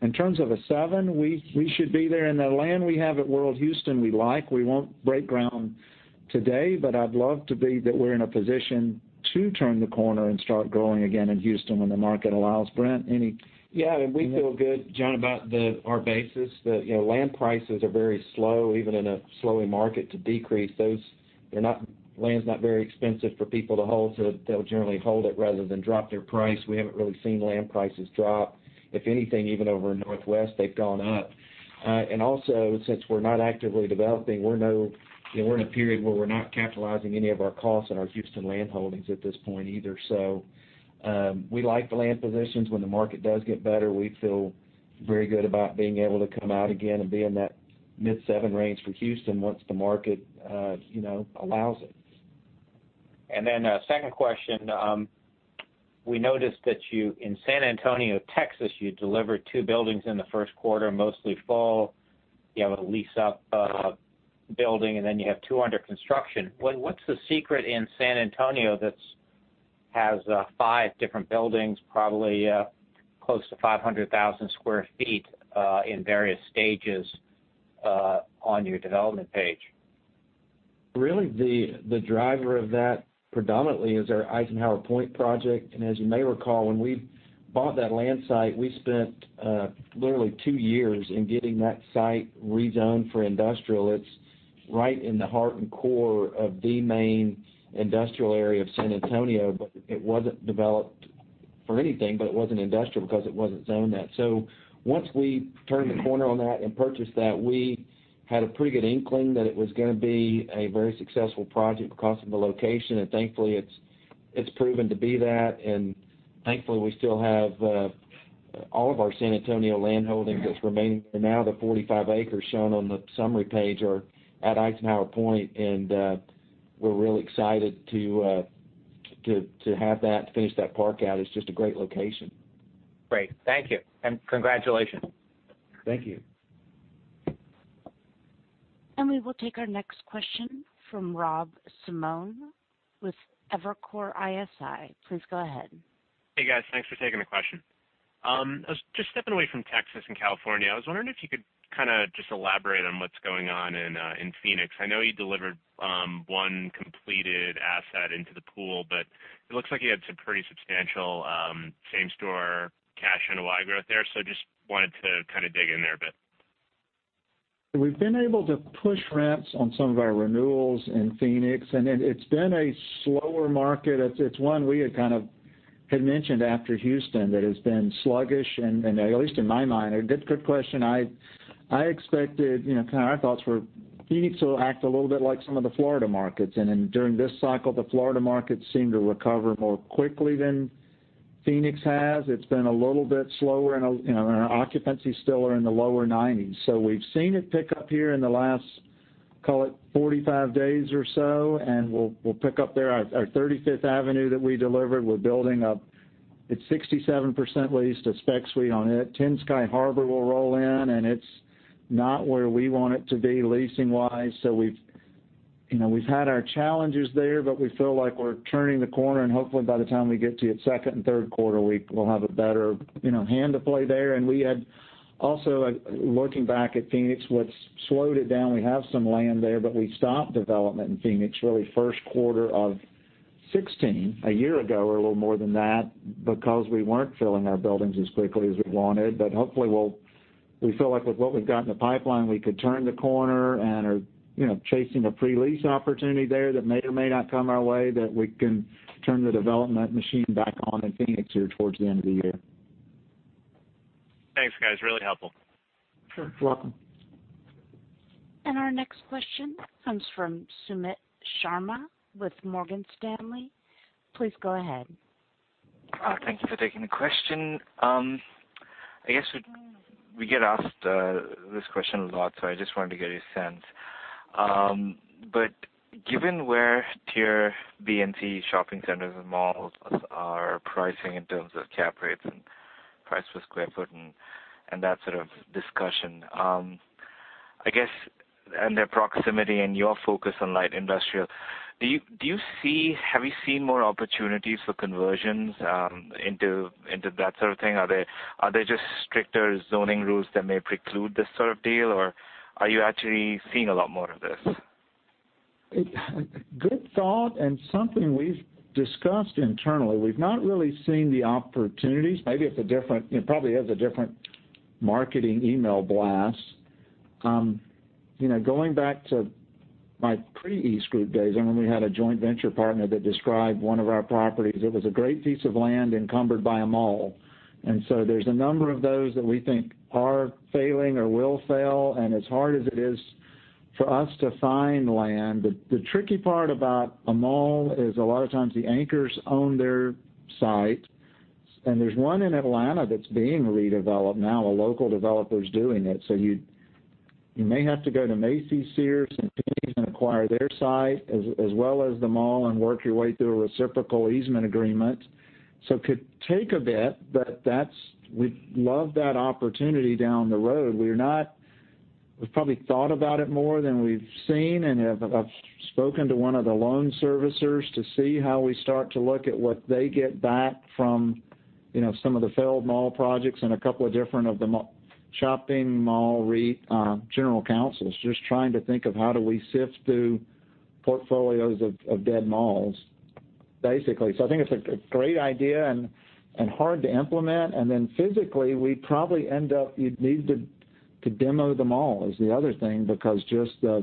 In terms of a seven, we should be there. The land we have at World Houston, we like. We won't break ground today, but I'd love to be that we're in a position to turn the corner and start growing again in Houston when the market allows. Brent, any- Yeah, we feel good, John, about our basis. Land prices are very slow, even in a slowing market, to decrease. Land's not very expensive for people to hold, so they'll generally hold it rather than drop their price. We haven't really seen land prices drop. If anything, even over in Northwest, they've gone up. Also, since we're not actively developing, we're in a period where we're not capitalizing any of our costs on our Houston land holdings at this point either. We like the land positions. When the market does get better, we feel very good about being able to come out again and be in that mid-seven range for Houston once the market allows it. A second question. We noticed that in San Antonio, Texas, you delivered two buildings in the first quarter, mostly full. You have a lease-up building, and you have two under construction. What's the secret in San Antonio that has five different buildings, probably close to 500,000 sq ft, in various stages on your development page? Really, the driver of that predominantly is our Eisenhower Point project. As you may recall, when we bought that land site, we spent literally two years in getting that site rezoned for industrial. It's right in the heart and core of the main industrial area of San Antonio, but it wasn't developed for anything, but it wasn't industrial because it wasn't zoned that. Once we turned the corner on that and purchased that, we had a pretty good inkling that it was going to be a very successful project because of the location. Thankfully, it's proven to be that. Thankfully, we still have all of our San Antonio land holdings that's remaining now. The 45 acres shown on the summary page are at Eisenhower Point, and we're real excited to have that, to finish that park out. It's just a great location. Great. Thank you, and congratulations. Thank you. We will take our next question from Rob Simone with Evercore ISI. Please go ahead. Hey, guys. Thanks for taking the question. Just stepping away from Texas and California, I was wondering if you could kind of just elaborate on what's going on in Phoenix. I know you delivered one completed asset into the pool, but it looks like you had some pretty substantial same-store cash NOI growth there. Just wanted to kind of dig in there a bit. We've been able to push rents on some of our renewals in Phoenix, and it's been a slower market. It's one we had mentioned after Houston that has been sluggish, and at least in my mind. A good question. Our thoughts were Phoenix will act a little bit like some of the Florida markets. During this cycle, the Florida market seemed to recover more quickly than Phoenix has. It's been a little bit slower, and our occupancy still are in the lower 90s. We've seen it pick up here in the last, call it 45 days or so, and we'll pick up there. Our 35th Avenue that we delivered, we're building up. It's 67% leased, a spec suite on it. Ten Sky Harbor will roll in, and it's not where we want it to be leasing-wise. We've had our challenges there, we feel like we're turning the corner, and hopefully by the time we get to the second and third quarter, we'll have a better hand to play there. Also looking back at Phoenix, what's slowed it down, we have some land there, we stopped development in Phoenix really first quarter of 2016, a year ago or a little more than that, because we weren't filling our buildings as quickly as we wanted. Hopefully, we feel like with what we've got in the pipeline, we could turn the corner and are chasing a pre-lease opportunity there that may or may not come our way, that we can turn the development machine back on in Phoenix here towards the end of the year. Thanks, guys. Really helpful. Sure. You're welcome. Our next question comes from Sumit Sharma with Morgan Stanley. Please go ahead. Thank you for taking the question. I guess we get asked this question a lot, so I just wanted to get a sense. Given where tier B and C shopping centers and malls are pricing in terms of cap rates and price per square foot and that sort of discussion, and their proximity and your focus on light industrial, have you seen more opportunities for conversions into that sort of thing? Are there just stricter zoning rules that may preclude this sort of deal, or are you actually seeing a lot more of this? Good thought, and something we've discussed internally. We've not really seen the opportunities. It probably is a different marketing email blast. Going back to my pre-EastGroup days, I remember we had a joint venture partner that described one of our properties. It was a great piece of land encumbered by a mall. There's a number of those that we think are failing or will fail. As hard as it is for us to find land, the tricky part about a mall is a lot of times the anchors own their site. There's one in Atlanta that's being redeveloped now. A local developer's doing it. You may have to go to Macy's, Sears, and JCPenney and acquire their site as well as the mall and work your way through a reciprocal easement agreement. It could take a bit, but we'd love that opportunity down the road. We've probably thought about it more than we've seen and have spoken to one of the loan servicers to see how we start to look at what they get back from some of the failed mall projects and a couple of different shopping mall REIT general counsels. Just trying to think of how do we sift through portfolios of dead malls, basically. I think it's a great idea and hard to implement. Physically, we'd probably end up, you'd need to demo the mall is the other thing, because just the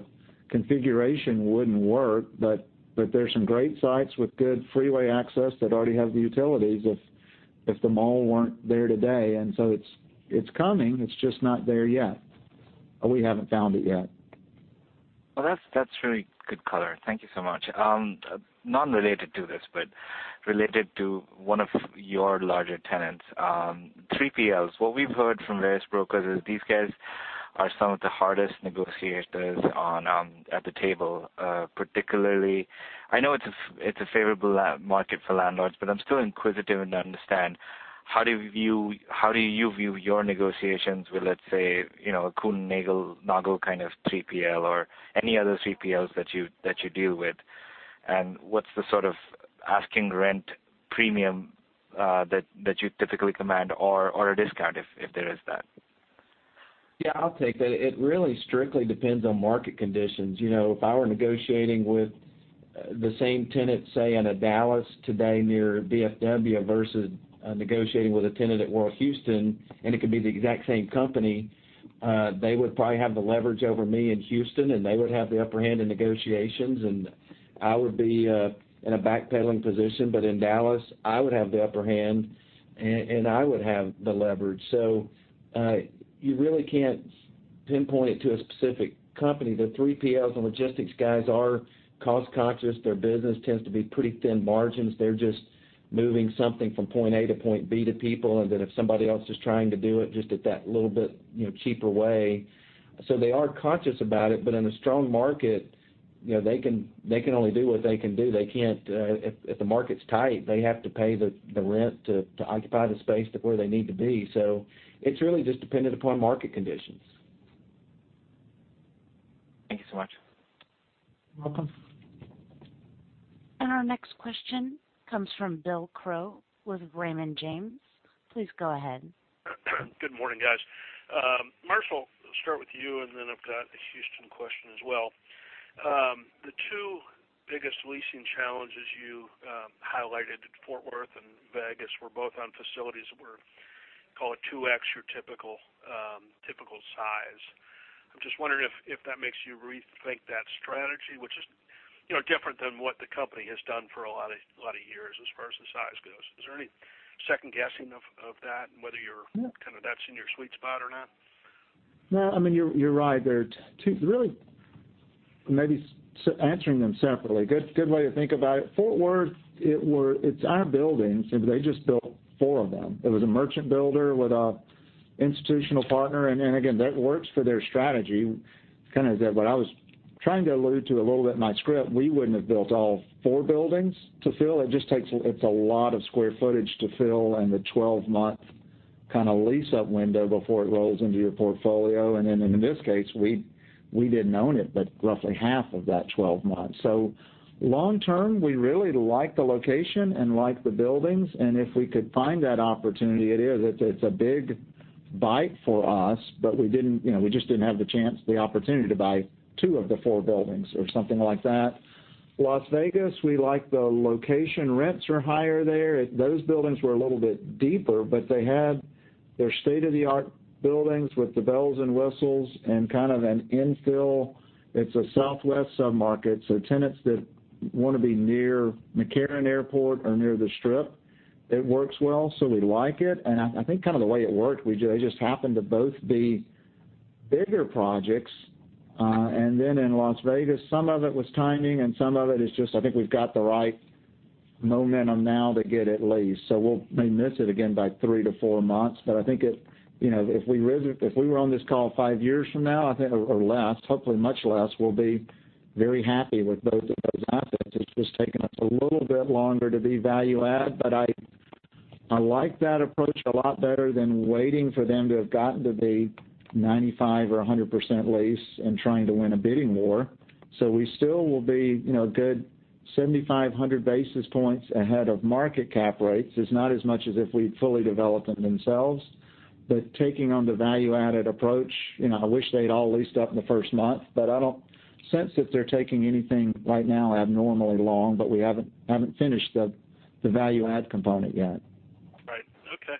configuration wouldn't work. There's some great sites with good freeway access that already have the utilities if the mall weren't there today. It's coming. It's just not there yet, or we haven't found it yet. Well, that's really good color. Thank you so much. Not related to this, but related to one of your larger tenants, 3PLs. What we've heard from various brokers is these guys are some of the hardest negotiators at the table. Particularly, I know it's a favorable market for landlords, but I'm still inquisitive to understand, how do you view your negotiations with, let's say, a Kuehne+Nagel kind of 3PL or any other 3PLs that you deal with? What's the sort of asking rent premium that you typically command or a discount if there is that? Yeah, I'll take that. It really strictly depends on market conditions. If I were negotiating with the same tenant, say, in a Dallas today near DFW versus negotiating with a tenant at World Houston, and it could be the exact same company, they would probably have the leverage over me in Houston, and they would have the upper hand in negotiations, and I would be in a backpedaling position. In Dallas, I would have the upper hand, and I would have the leverage. You really can't pinpoint it to a specific company. The 3PLs and logistics guys are cost-conscious. Their business tends to be pretty thin margins. They're just moving something from point A to point B to people, and then if somebody else is trying to do it just at that little bit cheaper way. They are conscious about it. In a strong market, they can only do what they can do. If the market's tight, they have to pay the rent to occupy the space to where they need to be. It's really just dependent upon market conditions. Thank you so much. You're welcome. Our next question comes from Bill Crow with Raymond James. Please go ahead. Good morning, guys. Marshall, I'll start with you, then I've got one question as well. The two biggest leasing challenges you highlighted at Fort Worth and Vegas were both on facilities that were, call it, 2x your typical size. I'm just wondering if that makes you rethink that strategy, which is different than what the company has done for a lot of years, as far as the size goes. Is there any second-guessing of that and whether that's in your sweet spot or not? No. You're right. There are two, really, maybe answering them separately. Good way to think about it. Fort Worth, it's our buildings, they just built four of them. It was a merchant builder with an institutional partner, again, that works for their strategy. Kind of what I was trying to allude to a little bit in my script, we wouldn't have built all four buildings to fill. It's a lot of square footage to fill, the 12-month kind of lease-up window before it rolls into your portfolio. Then in this case, we didn't own it, but roughly half of that 12 months. Long-term, we really like the location and like the buildings, if we could find that opportunity, it's a big bite for us. We just didn't have the chance, the opportunity to buy two of the four buildings or something like that. Las Vegas, we like the location. Rents are higher there. Those buildings were a little bit deeper, they had their state-of-the-art buildings with the bells and whistles and kind of an infill. It's a Southwest sub-market, tenants that want to be near McCarran Airport or near the Strip, it works well, we like it. I think kind of the way it worked, they just happened to both be bigger projects. Then in Las Vegas, some of it was timing, and some of it is just, I think we've got the right momentum now to get it leased. We may miss it again by three to four months. I think if we were on this call five years from now, I think, or less, hopefully much less, we'll be very happy with both of those assets. It's just taken us a little bit longer to be value-add. I like that approach a lot better than waiting for them to have gotten to be 95% or 100% leased and trying to win a bidding war. We still will be a good 7,500 basis points ahead of market cap rates. It's not as much as if we'd fully developed them themselves. Taking on the value-added approach, I wish they'd all leased up in the first month, but I don't sense that they're taking anything right now abnormally long, but we haven't finished the value-add component yet. Right. Okay.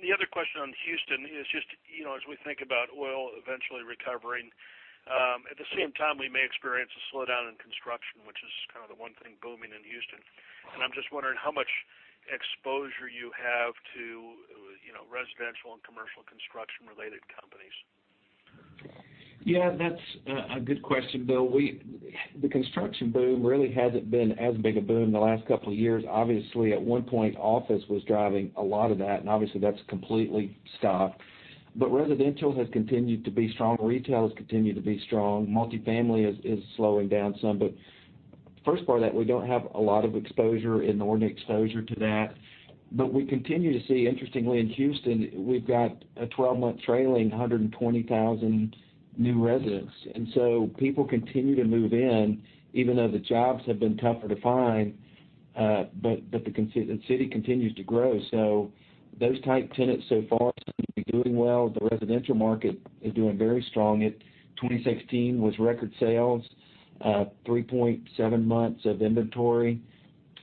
The other question on Houston is just, as we think about oil eventually recovering, at the same time, we may experience a slowdown in construction, which is kind of the one thing booming in Houston. Right. I'm just wondering how much exposure you have to residential and commercial construction-related companies. That's a good question, Bill. The construction boom really hasn't been as big a boom in the last couple of years. Obviously, at one point, office was driving a lot of that, and obviously, that's completely stopped. Residential has continued to be strong. Retail has continued to be strong. Multifamily is slowing down some. First part of that, we don't have a lot of exposure, inordinate exposure to that. We continue to see, interestingly, in Houston, we've got a 12-month trailing 120,000 new residents. People continue to move in, even though the jobs have been tougher to find. The city continues to grow. Those type tenants so far seem to be doing well. The residential market is doing very strong. 2016 was record sales, 3.7 months of inventory.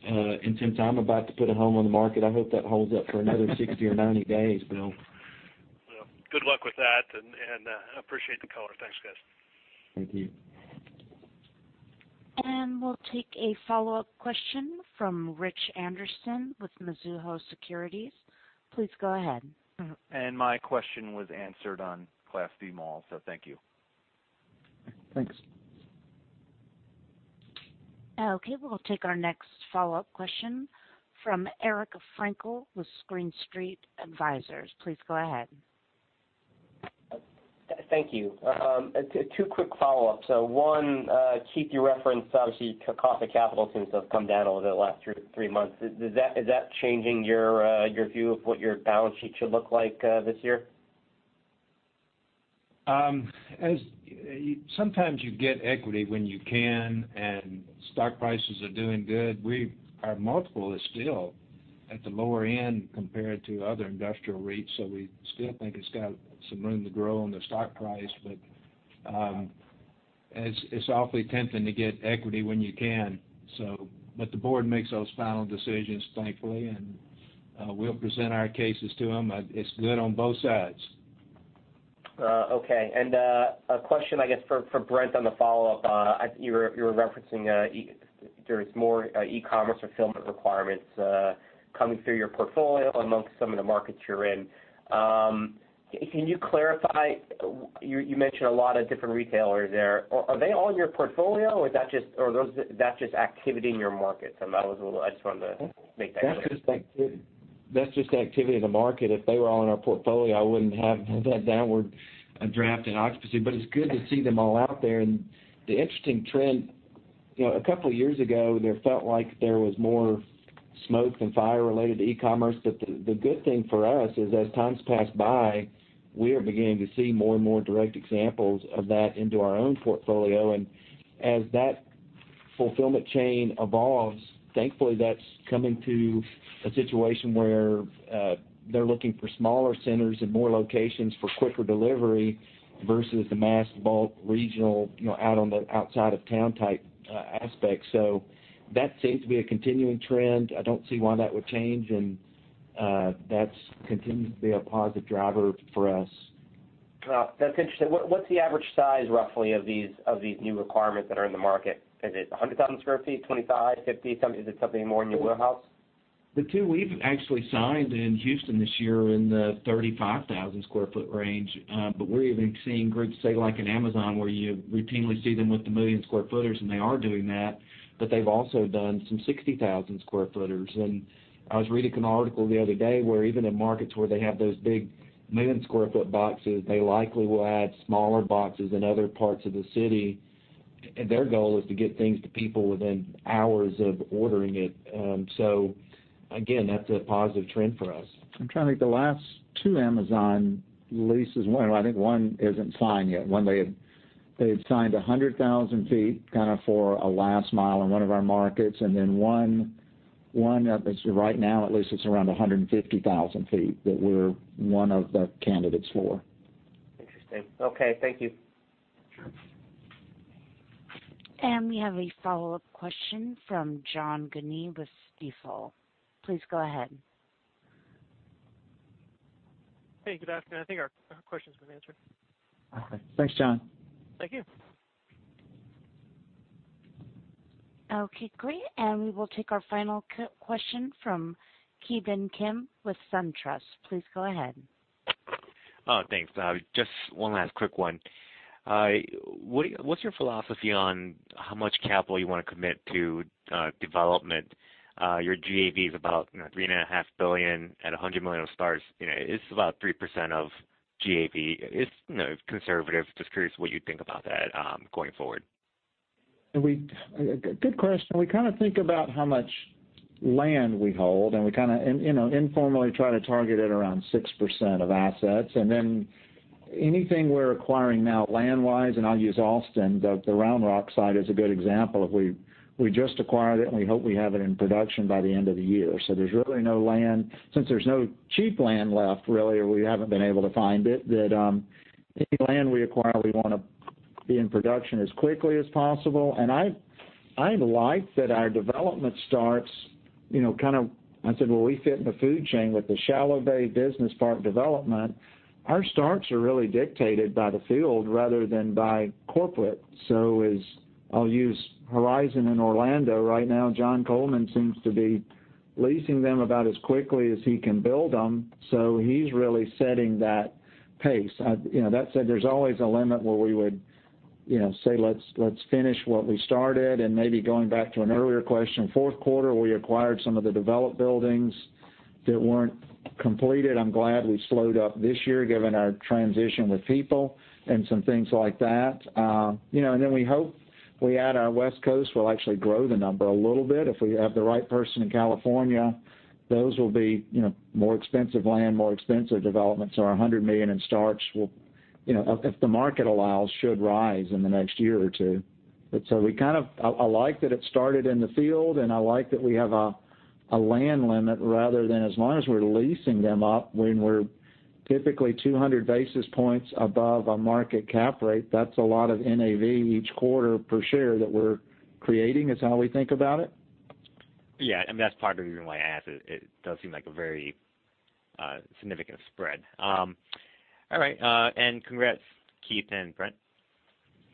Since I'm about to put a home on the market, I hope that holds up for another 60 or 90 days, Bill. Well, good luck with that, I appreciate the color. Thanks, guys. Thank you. We'll take a follow-up question from Richard Anderson with Mizuho Securities. Please go ahead. My question was answered on Class D malls. Thank you. Thanks. We'll take our next follow-up question from Eric Frankel with Green Street Advisors. Please go ahead. Thank you. Two quick follow-ups. One, Keith, you referenced obviously the cost of capital seems to have come down a little bit the last three months. Is that changing your view of what your balance sheet should look like this year? You get equity when you can stock prices are doing good. Our multiple is still at the lower end compared to other industrial REITs, we still think it's got some room to grow on the stock price. It's awfully tempting to get equity when you can. The board makes those final decisions, thankfully, we'll present our cases to them. It's good on both sides. Okay. A question, I guess, for Brent on the follow-up. You were referencing there's more e-commerce fulfillment requirements coming through your portfolio amongst some of the markets you're in. Can you clarify, you mentioned a lot of different retailers there. Are they all in your portfolio, or is that just activity in your markets? I just wanted to make that clear. That's just activity in the market. If they were all in our portfolio, I wouldn't have that downward draft in occupancy. It's good to see them all out there, the interesting trend, a couple of years ago, there felt like there was more smoke than fire related to e-commerce. The good thing for us is as times pass by, we are beginning to see more and more direct examples of that into our own portfolio. As that Fulfillment chain evolves. Thankfully, that's coming to a situation where they're looking for smaller centers and more locations for quicker delivery versus the mass bulk regional, out on the outside of town type aspect. That seems to be a continuing trend. I don't see why that would change, that's continued to be a positive driver for us. That's interesting. What's the average size, roughly, of these new requirements that are in the market? Is it 100,000 sq ft, 25, 50? Is it something more in your warehouse? The two we've actually signed in Houston this year are in the 35,000 square foot range. We're even seeing groups, say like an Amazon, where you routinely see them with the million square footers, and they are doing that, but they've also done some 60,000 square footers. I was reading an article the other day where even in markets where they have those big million square foot boxes, they likely will add smaller boxes in other parts of the city. Their goal is to get things to people within hours of ordering it. Again, that's a positive trend for us. I'm trying to think. The last two Amazon leases, well, I think one isn't signed yet. One, they had signed 100,000 feet kind of for a last mile in one of our markets, and then one that right now, at least, it's around 150,000 feet, that we're one of the candidates for. Interesting. Okay. Thank you. Sure. We have a follow-up question from John Guinee with Stifel. Please go ahead. Hey, good afternoon. I think our question's been answered. Okay. Thanks, John. Thank you. Okay, great. We will take our final question from Ki Bin Kim with SunTrust. Please go ahead. Thanks. Just one last quick one. What is your philosophy on how much capital you want to commit to development? Your GAV is about $3.5 billion. At $100 million of starts, it is about 3% of GAV. It is conservative. Just curious what you think about that going forward. Good question. We kind of think about how much land we hold, and we kind of informally try to target at around 6% of assets. Anything we are acquiring now land-wise, and I will use Austin, the Round Rock site is a good example of, we just acquired it, and we hope we have it in production by the end of the year. There is really no land, since there is no cheap land left, really, or we have not been able to find it, that any land we acquire, we want to be in production as quickly as possible. I like that our development starts kind of, I said, well, we fit in the food chain with the shallow bay business park development. Our starts are really dictated by the field rather than by corporate. I will use Horizon in Orlando. Right now, John Coleman seems to be leasing them about as quickly as he can build them. He is really setting that pace. That said, there is always a limit where we would say, "Let us finish what we started." Maybe going back to an earlier question, fourth quarter, we acquired some of the developed buildings that were not completed. I am glad we slowed up this year given our transition with people and some things like that. We hope we add our West Coast. We will actually grow the number a little bit. If we have the right person in California, those will be more expensive land, more expensive developments. Our $100 million in starts, if the market allows, should rise in the next year or two. I like that it started in the field, and I like that we have a land limit rather than as long as we are leasing them up when we are typically 200 basis points above a market cap rate. That is a lot of NAV each quarter per share that we are creating, is how we think about it. Yeah. That's part of the reason why I asked it. It does seem like a very significant spread. All right. Congrats, Keith and Brent.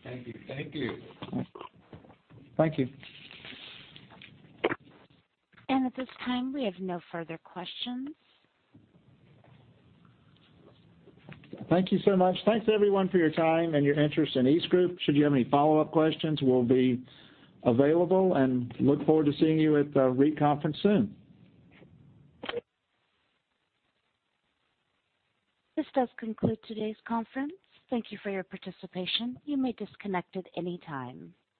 Thank you. Thank you. Thank you. At this time, we have no further questions. Thank you so much. Thanks, everyone, for your time and your interest in EastGroup. Should you have any follow-up questions, we'll be available and look forward to seeing you at the REIT conference soon. This does conclude today's conference. Thank you for your participation. You may disconnect at any time.